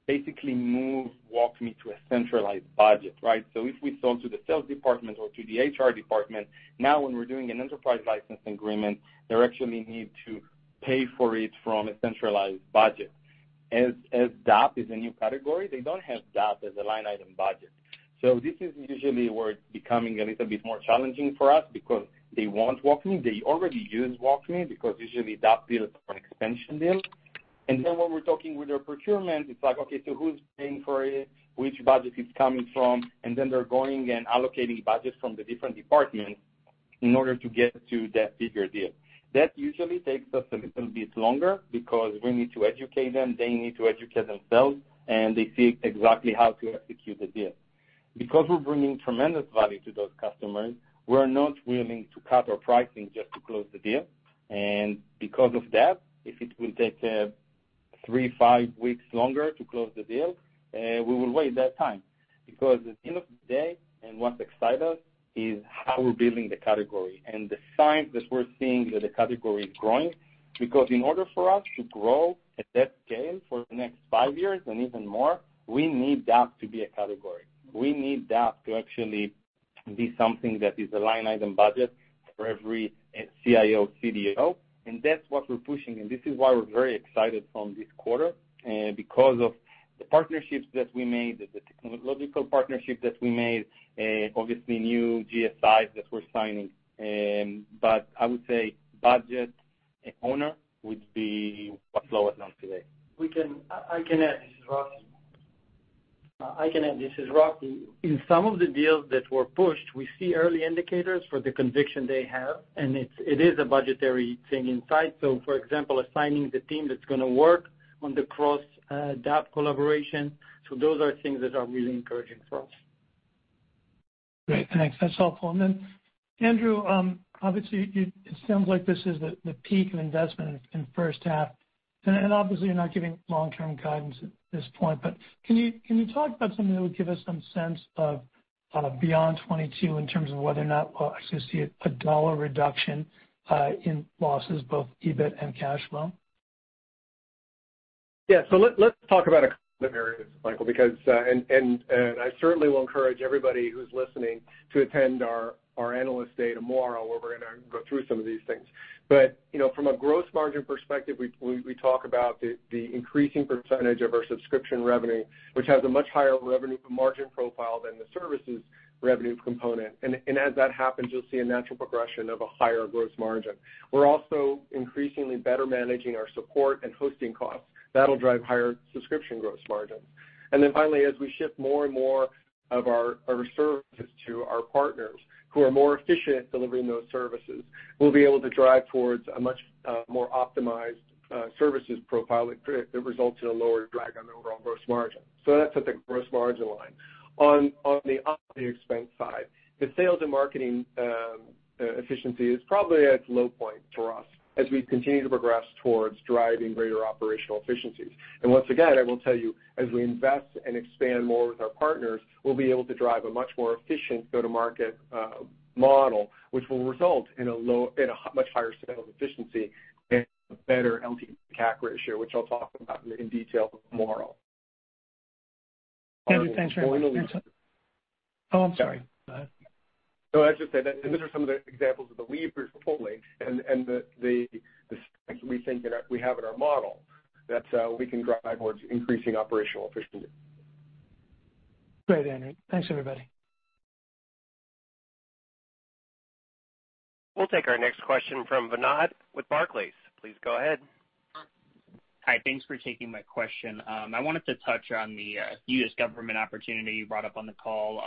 C: basically moves WalkMe to a centralized budget, right? If we sell to the sales department or to the HR department, now when we're doing an enterprise license agreement, they actually need to pay for it from a centralized budget. As DAP is a new category, they don't have DAP as a line item budget. This is usually where it's becoming a little bit more challenging for us because they want WalkMe, they already use WalkMe because usually DAP deals are an extension deal. Then when we're talking with their procurement, it's like, okay, so who's paying for it? Which budget it's coming from? Then they're going and allocating budgets from the different departments in order to get to that bigger deal. That usually takes us a little bit longer because we need to educate them, they need to educate themselves, and they see exactly how to execute the deal. Because we're bringing tremendous value to those customers, we're not willing to cut our pricing just to close the deal. Because of that, if it will take 3-5 weeks longer to close the deal, we will wait that time. Because at the end of the day, and what excites us is how we're building the category and the signs that we're seeing that the category is growing. Because in order for us to grow at that scale for the next 5 years and even more, we need DAP to be a category. We need DAP to actually be something that is a line item budget for every CIO, CDO, and that's what we're pushing, and this is why we're very excited for this quarter, because of the partnerships that we made, the technological partnership that we made, obviously new GSIs that we're signing. But I would say budget owner would be what's slowing us down today.
I: I can add, this is Rafi. In some of the deals that were pushed, we see early indicators for the conviction they have, and it is a budgetary thing inside. For example, assigning the team that's gonna work on the cross-DAP collaboration. Those are things that are really encouraging for us.
H: Great. Thanks. That's helpful. Then, Andrew, obviously you, it sounds like this is the peak of investment in the first half. Obviously you're not giving long-term guidance at this point, but can you talk about something that would give us some sense of beyond 2022 in terms of whether or not we'll actually see a dollar reduction in losses, both EBIT and cash flow?
D: Yeah. Let's talk about a couple of areas, Michael, because I certainly will encourage everybody who's listening to attend our Analyst Day tomorrow, where we're gonna go through some of these things. You know, from a gross margin perspective, we talk about the increasing percentage of our subscription revenue, which has a much higher revenue margin profile than the services revenue component. As that happens, you'll see a natural progression of a higher gross margin. We're also increasingly better managing our support and hosting costs. That'll drive higher subscription gross margins. Finally, as we shift more and more of our services to our partners who are more efficient delivering those services, we'll be able to drive towards a much more optimized services profile that results in a lower drag on the overall gross margin. That's at the gross margin line. On the OpEx side, the sales and marketing efficiency is probably at its low point for us as we continue to progress towards driving greater operational efficiencies. Once again, I will tell you, as we invest and expand more with our partners, we'll be able to drive a much more efficient go-to-market model, which will result in a much higher sales efficiency and a better LTV to CAC ratio, which I'll talk about in detail tomorrow.
H: Andrew, thanks very much. Oh, I'm sorry. Go ahead.
D: I was just saying that, and these are some of the examples of the levers pulling and the specs we think that we have in our model that we can drive towards increasing operational efficiency.
H: Great, Andrew. Thanks, everybody.
A: We'll take our next question from Vinod with Barclays. Please go ahead.
J: Hi. Thanks for taking my question. I wanted to touch on the, U.S. government opportunity you brought up on the call.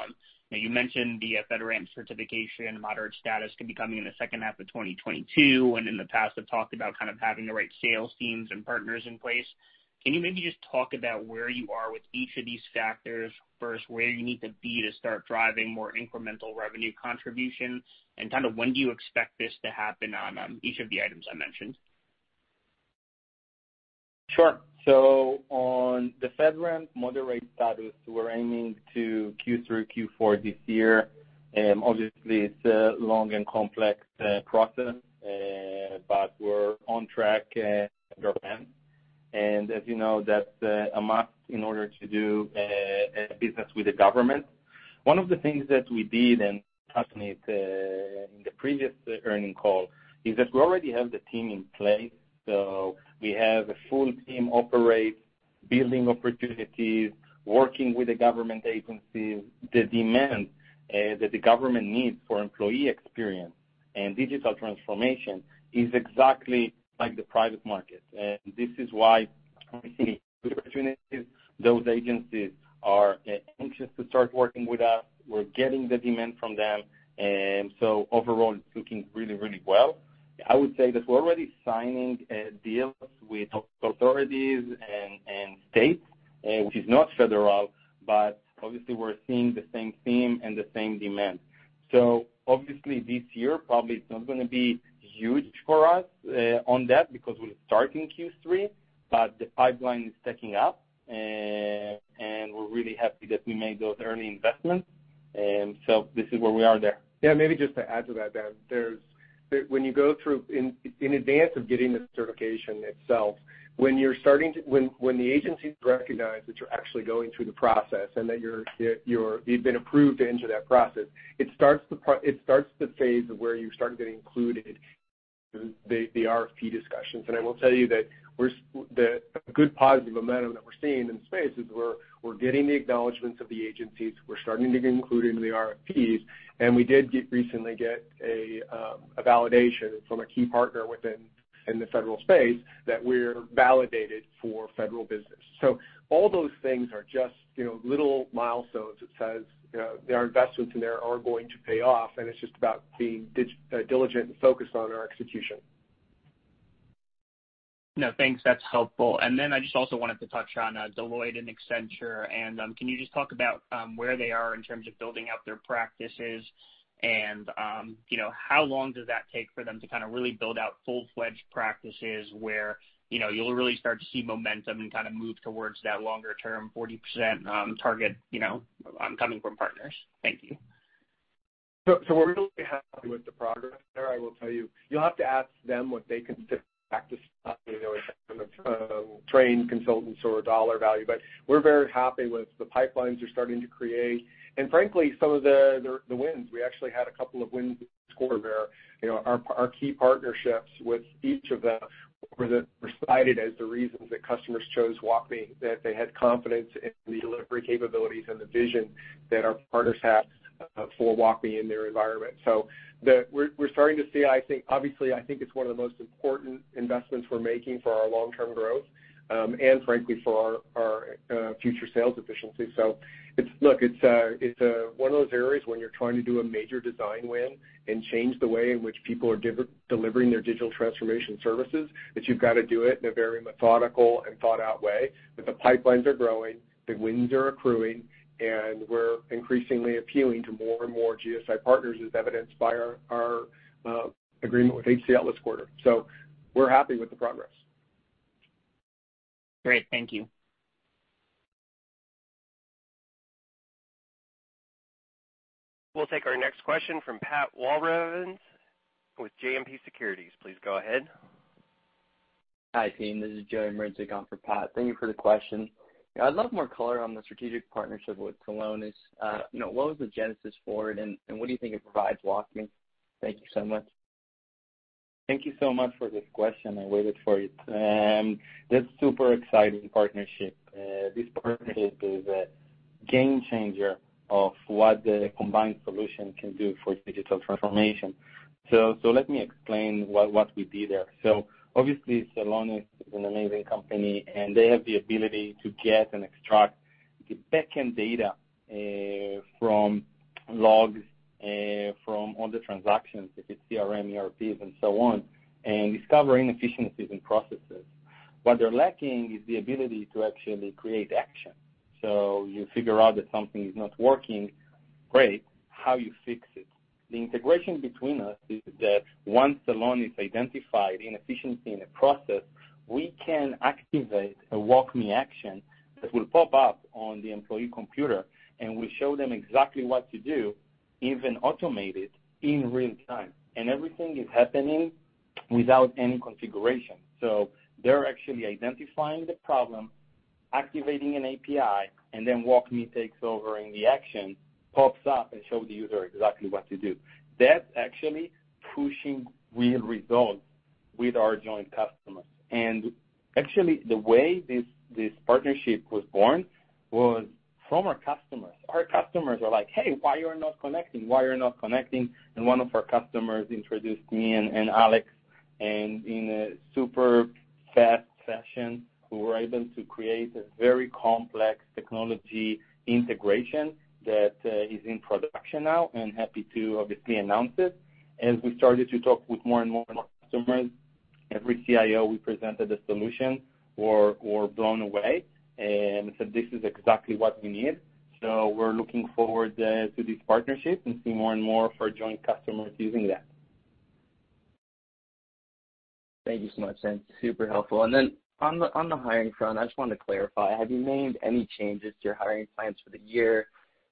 J: Now you mentioned the FedRAMP certification moderate status could be coming in the second half of 2022, and in the past have talked about kind of having the right sales teams and partners in place. Can you maybe just talk about where you are with each of these factors versus where you need to be to start driving more incremental revenue contributions? And kind of when do you expect this to happen on each of the items I mentioned?
C: Sure. On the FedRAMP moderate status, we're aiming to Q3, Q4 this year. Obviously it's a long and complex process, but we're on track, FedRAMP. As you know, that's a must in order to do business with the government. One of the things that we did, and Rafi mentioned it in the previous earnings call, is that we already have the team in place. We have a full team operating, building opportunities, working with the government agencies. The demand that the government needs for employee experience and digital transformation is exactly like the private market. This is why we see good opportunities. Those agencies are anxious to start working with us. We're getting the demand from them. Overall, it's looking really, really well. I would say that we're already signing deals with authorities and states, which is not federal, but obviously we're seeing the same theme and the same demand. Obviously this year probably it's not gonna be huge for us on that because we'll start in Q3, but the pipeline is stacking up and we're really happy that we made those early investments. This is where we are there.
D: Dan maybe let me add to that, Vinod, there's when you go through in advance of getting the certification itself, when the agencies recognize that you're actually going through the process and that you've been approved to enter that process, it starts the phase of where you start getting included in the RFP discussions. I will tell you that the good positive momentum that we're seeing in the space is we're getting the acknowledgments of the agencies. We're starting to get included in the RFPs, and we did recently get a validation from a key partner in the federal space that we're validated for federal business. All those things are just, you know, little milestones that says, you know, our investments in there are going to pay off, and it's just about being diligent and focused on our execution.
J: Thanks, that's helpful. I just also wanted to touch on Deloitte and Accenture and can you just talk about where they are in terms of building out their practices and you know how long does that take for them to kinda really build out full-fledged practices where you know you'll really start to see momentum and kinda move towards that longer term 40% target you know coming from partners? Thank you.
D: We're really happy with the progress there. I will tell you. You'll have to ask them what they consider practice, you know, in terms of trained consultants or dollar value, but we're very happy with the pipelines they're starting to create. Frankly, some of the wins, we actually had a couple of wins scored there. You know, our key partnerships with each of them were cited as the reasons that customers chose WalkMe, that they had confidence in the delivery capabilities and the vision that our partners have for WalkMe in their environment. We're starting to see, I think, obviously, I think it's one of the most important investments we're making for our long-term growth, and frankly for our future sales efficiency. It's one of those areas when you're trying to do a major design win and change the way in which people are delivering their digital transformation services, that you've got to do it in a very methodical and thought-out way. The pipelines are growing, the wins are accruing, and we're increasingly appealing to more and more GSI partners as evidenced by our agreement with HCL this quarter. We're happy with the progress.
J: Great. Thank you.
A: We'll take our next question from Patrick Walravens with JMP Securities. Please go ahead.
K: Hi, team. This is Joe on for Pat. Thank you for the question. I'd love more color on the strategic partnership with Celonis. You know, what was the genesis for it, and what do you think it provides WalkMe? Thank you so much.
C: Thank you so much for this question. I waited for it. That's super exciting partnership. This partnership is a game changer of what the combined solution can do for digital transformation. Let me explain what we did there. Obviously, Celonis is an amazing company, and they have the ability to get and extract the backend data, from logs, from all the transactions, if it's CRM, ERPs and so on, and discover inefficiencies in processes. What they're lacking is the ability to actually create action. You figure out that something is not working, great. How you fix it? The integration between us is that once an inefficiency is identified in a process, we can activate a WalkMe action that will pop up on the employee computer, and we show them exactly what to do, even automate it in real time. Everything is happening without any configuration. They're actually identifying the problem, activating an API, and then WalkMe takes over, and the action pops up and shows the user exactly what to do. That's actually pushing real results with our joint customers. Actually, the way this partnership was born was from our customers. Our customers are like, "Hey, why you're not connecting? Why you're not connecting?" One of our customers introduced me and Alex. In a super fast session, we were able to create a very complex technology integration that is in production now, and happy to obviously announce it. As we started to talk with more and more customers, every CIO we presented a solution were blown away and said, "This is exactly what we need." We're looking forward to this partnership and see more and more of our joint customers using that.
K: Thank you so much. That's super helpful. On the hiring front, I just wanted to clarify, have you made any changes to your hiring plans for the year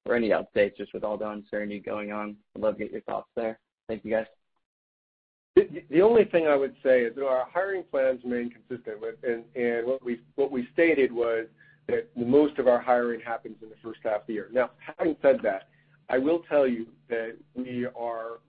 K: or any updates just with all the uncertainty going on? I'd love to get your thoughts there. Thank you, guys.
D: The only thing I would say is that our hiring plans remain consistent with what we stated was that most of our hiring happens in the first half of the year. Now, having said that, I will tell you that we are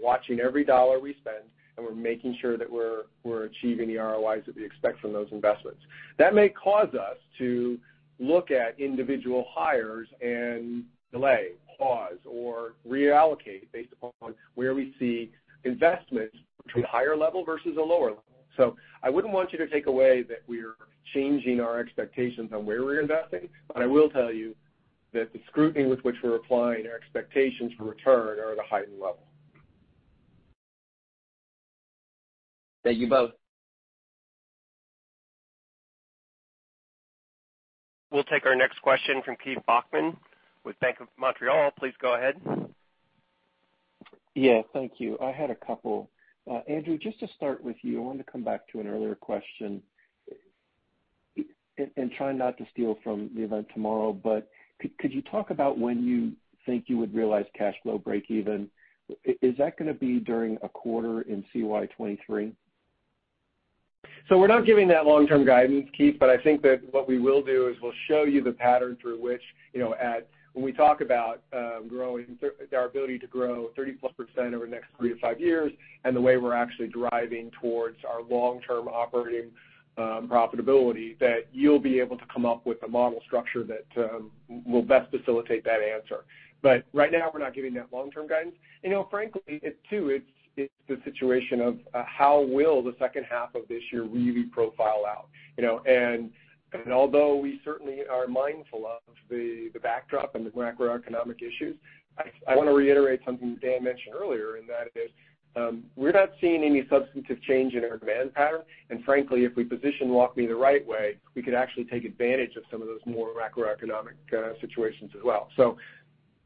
D: watching every dollar we spend, and we're making sure that we're achieving the ROIs that we expect from those investments. That may cause us to look at individual hires and delay, pause, or reallocate based upon where we see investments between a higher level versus a lower level. I wouldn't want you to take away that we're changing our expectations on where we're investing, but I will tell you that the scrutiny with which we're applying our expectations for return are at a heightened level.
K: Thank you both.
A: We'll take our next question from Keith Bachman with Bank of Montreal. Please go ahead.
L: Yeah. Thank you. I had a couple. Andrew, just to start with you, I wanted to come back to an earlier question. And trying not to steal from the event tomorrow, but could you talk about when you think you would realize cash flow breakeven? Is that gonna be during a quarter in CY 2023?
D: We're not giving that long-term guidance, Keith, but I think that what we will do is we'll show you the pattern through which, you know, when we talk about growing our ability to grow 30%+ over the next 3-5 years, and the way we're actually driving towards our long-term operating profitability, that you'll be able to come up with a model structure that will best facilitate that answer. But right now, we're not giving that long-term guidance. You know, frankly, it's the situation of how will the second half of this year really profile out, you know. Although we certainly are mindful of the backdrop and the macroeconomic issues, I wanna reiterate something Dan mentioned earlier, and that is, we're not seeing any substantive change in our demand pattern. Frankly, if we position WalkMe the right way, we could actually take advantage of some of those more macroeconomic situations as well.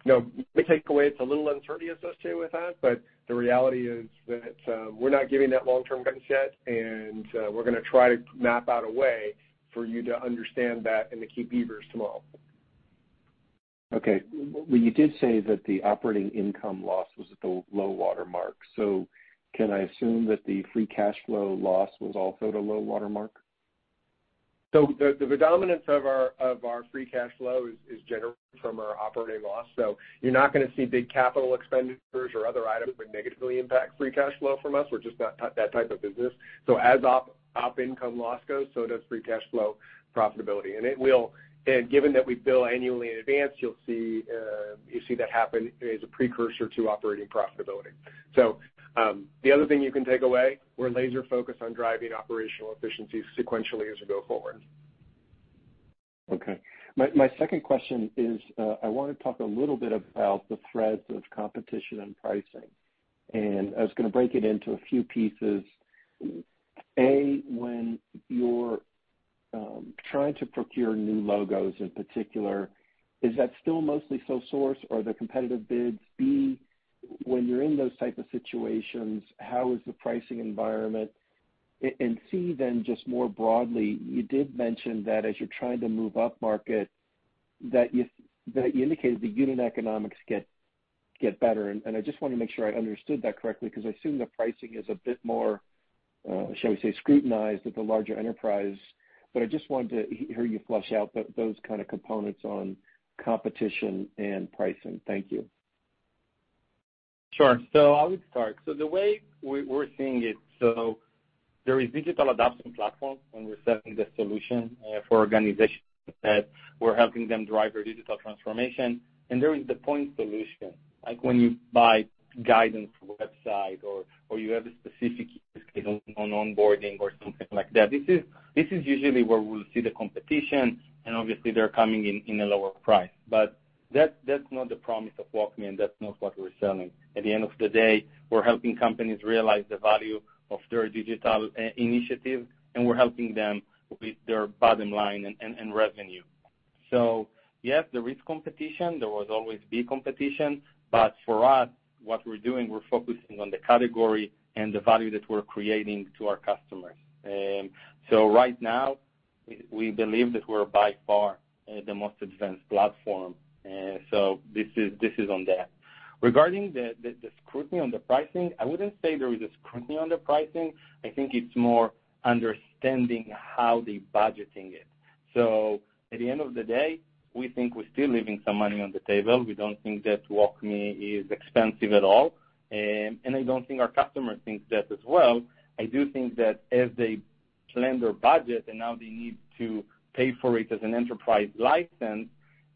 D: You know, the takeaway, it's a little uncertainty associated with that, but the reality is that, we're not giving that long-term guidance yet, and, we're gonna try to map out a way for you to understand that in the key levers tomorrow.
L: Okay. Well, you did say that the operating income loss was at the low watermark. Can I assume that the free cash flow loss was also at a low watermark?
D: The predominance of our free cash flow is generated from our operating loss. You're not gonna see big capital expenditures or other items that would negatively impact free cash flow from us. We're just not that type of business. As operating income loss goes, so does free cash flow profitability. Given that we bill annually in advance, you'll see that happen as a precursor to operating profitability. The other thing you can take away, we're laser focused on driving operational efficiencies sequentially as we go forward.
L: Okay. My second question is, I wanna talk a little bit about the threats of competition and pricing. I was gonna break it into a few pieces. A, when you're trying to procure new logos in particular, is that still mostly sole source or the competitive bids? B, when you're in those type of situations, how is the pricing environment? And C, then just more broadly, you did mention that as you're trying to move upmarket, that you indicated the unit economics get better. I just wanna make sure I understood that correctly because I assume the pricing is a bit more, shall we say, scrutinized at the larger enterprise. I just wanted to hear you flesh out those kind of components on competition and pricing. Thank you.
C: Sure. I'll start. The way we're seeing it, there is Digital Adoption Platform when we're selling the solution, for organizations that we're helping them drive their digital transformation. There is the point solution, like when you buy guidance website or you have a specific use case on onboarding or something like that. This is usually where we'll see the competition, and obviously they're coming in a lower price. That's not the promise of WalkMe, and that's not what we're selling. At the end of the day, we're helping companies realize the value of their digital initiative, and we're helping them with their bottom line and revenue. Yes, there is competition. There was always be competition. For us, what we're doing, we're focusing on the category and the value that we're creating to our customers. Right now, we believe that we're by far the most advanced platform. This is on that. Regarding the scrutiny on the pricing, I wouldn't say there is a scrutiny on the pricing. I think it's more understanding how they're budgeting it. At the end of the day, we think we're still leaving some money on the table. We don't think that WalkMe is expensive at all. I don't think our customers think that as well. I do think that as they plan their budget and now they need to pay for it as an enterprise license,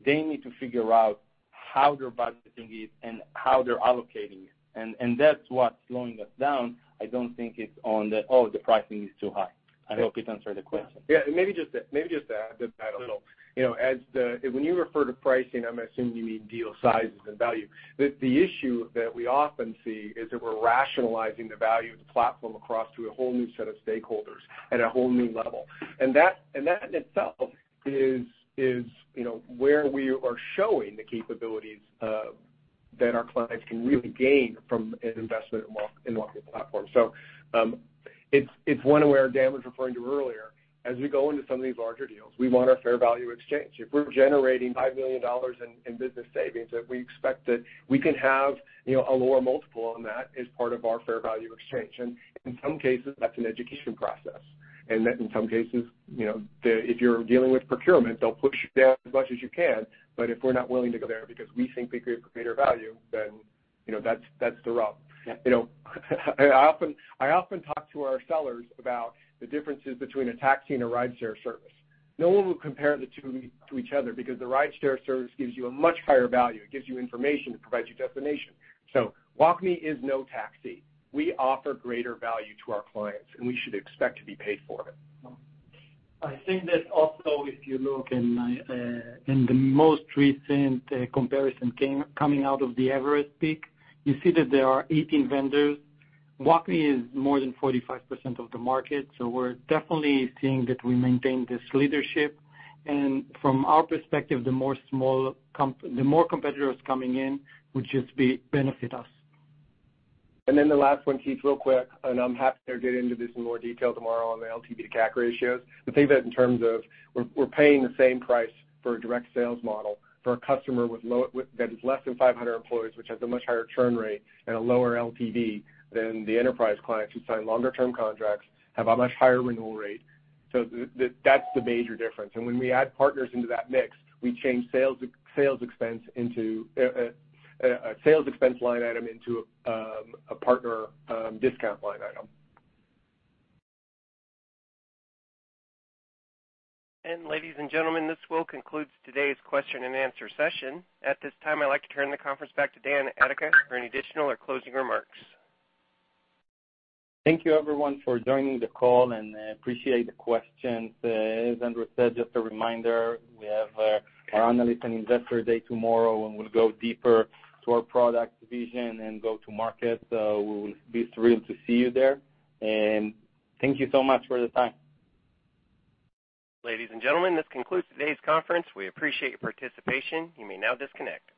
C: they need to figure out how they're budgeting it and how they're allocating it. That's what's slowing us down. I don't think the pricing is too high. I hope it answered the question.
D: Yeah. Maybe just to add to that a little. You know, when you refer to pricing, I'm assuming you mean deal sizes and value. The issue that we often see is that we're rationalizing the value of the platform across to a whole new set of stakeholders at a whole new level. That in itself is, you know, where we are showing the capabilities that our clients can really gain from an investment in WalkMe platform. It's one where Dan was referring to earlier, as we go into some of these larger deals, we want our fair value exchange. If we're generating $5 million in business savings, that we expect that we can have, you know, a lower multiple on that as part of our fair value exchange. In some cases, that's an education process. Then in some cases, you know, the, if you're dealing with procurement, they'll push you down as much as you can. If we're not willing to go there because we think we create greater value, then, you know, that's the rub.
C: Yeah.
D: You know, I often talk to our sellers about the differences between a taxi and a rideshare service. No one will compare the two to each other because the rideshare service gives you a much higher value. It gives you information, it provides you destination. WalkMe is no taxi. We offer greater value to our clients, and we should expect to be paid for it.
C: I think that also, if you look in the most recent comparison coming out of the Everest Group PEAK Matrix, you see that there are 18 vendors. WalkMe is more than 45% of the market, so we're definitely seeing that we maintain this leadership. From our perspective, the more competitors coming in would just benefit us.
D: The last one, Keith, real quick, and I'm happy to get into this in more detail tomorrow on the LTV to CAC ratios. The thing that in terms of we're paying the same price for a direct sales model for a customer with that is less than 500 employees, which has a much higher churn rate and a lower LTV than the enterprise clients who sign longer term contracts, have a much higher renewal rate. That's the major difference. When we add partners into that mix, we change sales expense into a partner discount line item.
A: Ladies and gentlemen, this will conclude today's question and answer session. At this time, I'd like to turn the conference back to Dan Adika for any additional or closing remarks.
C: Thank you, everyone, for joining the call, and appreciate the questions. As Andrew said, just a reminder, we have our Analyst and Investor Day tomorrow, and we'll go deeper to our product vision and go to market. We will be thrilled to see you there. Thank you so much for the time.
A: Ladies and gentlemen, this concludes today's conference. We appreciate your participation. You may now disconnect.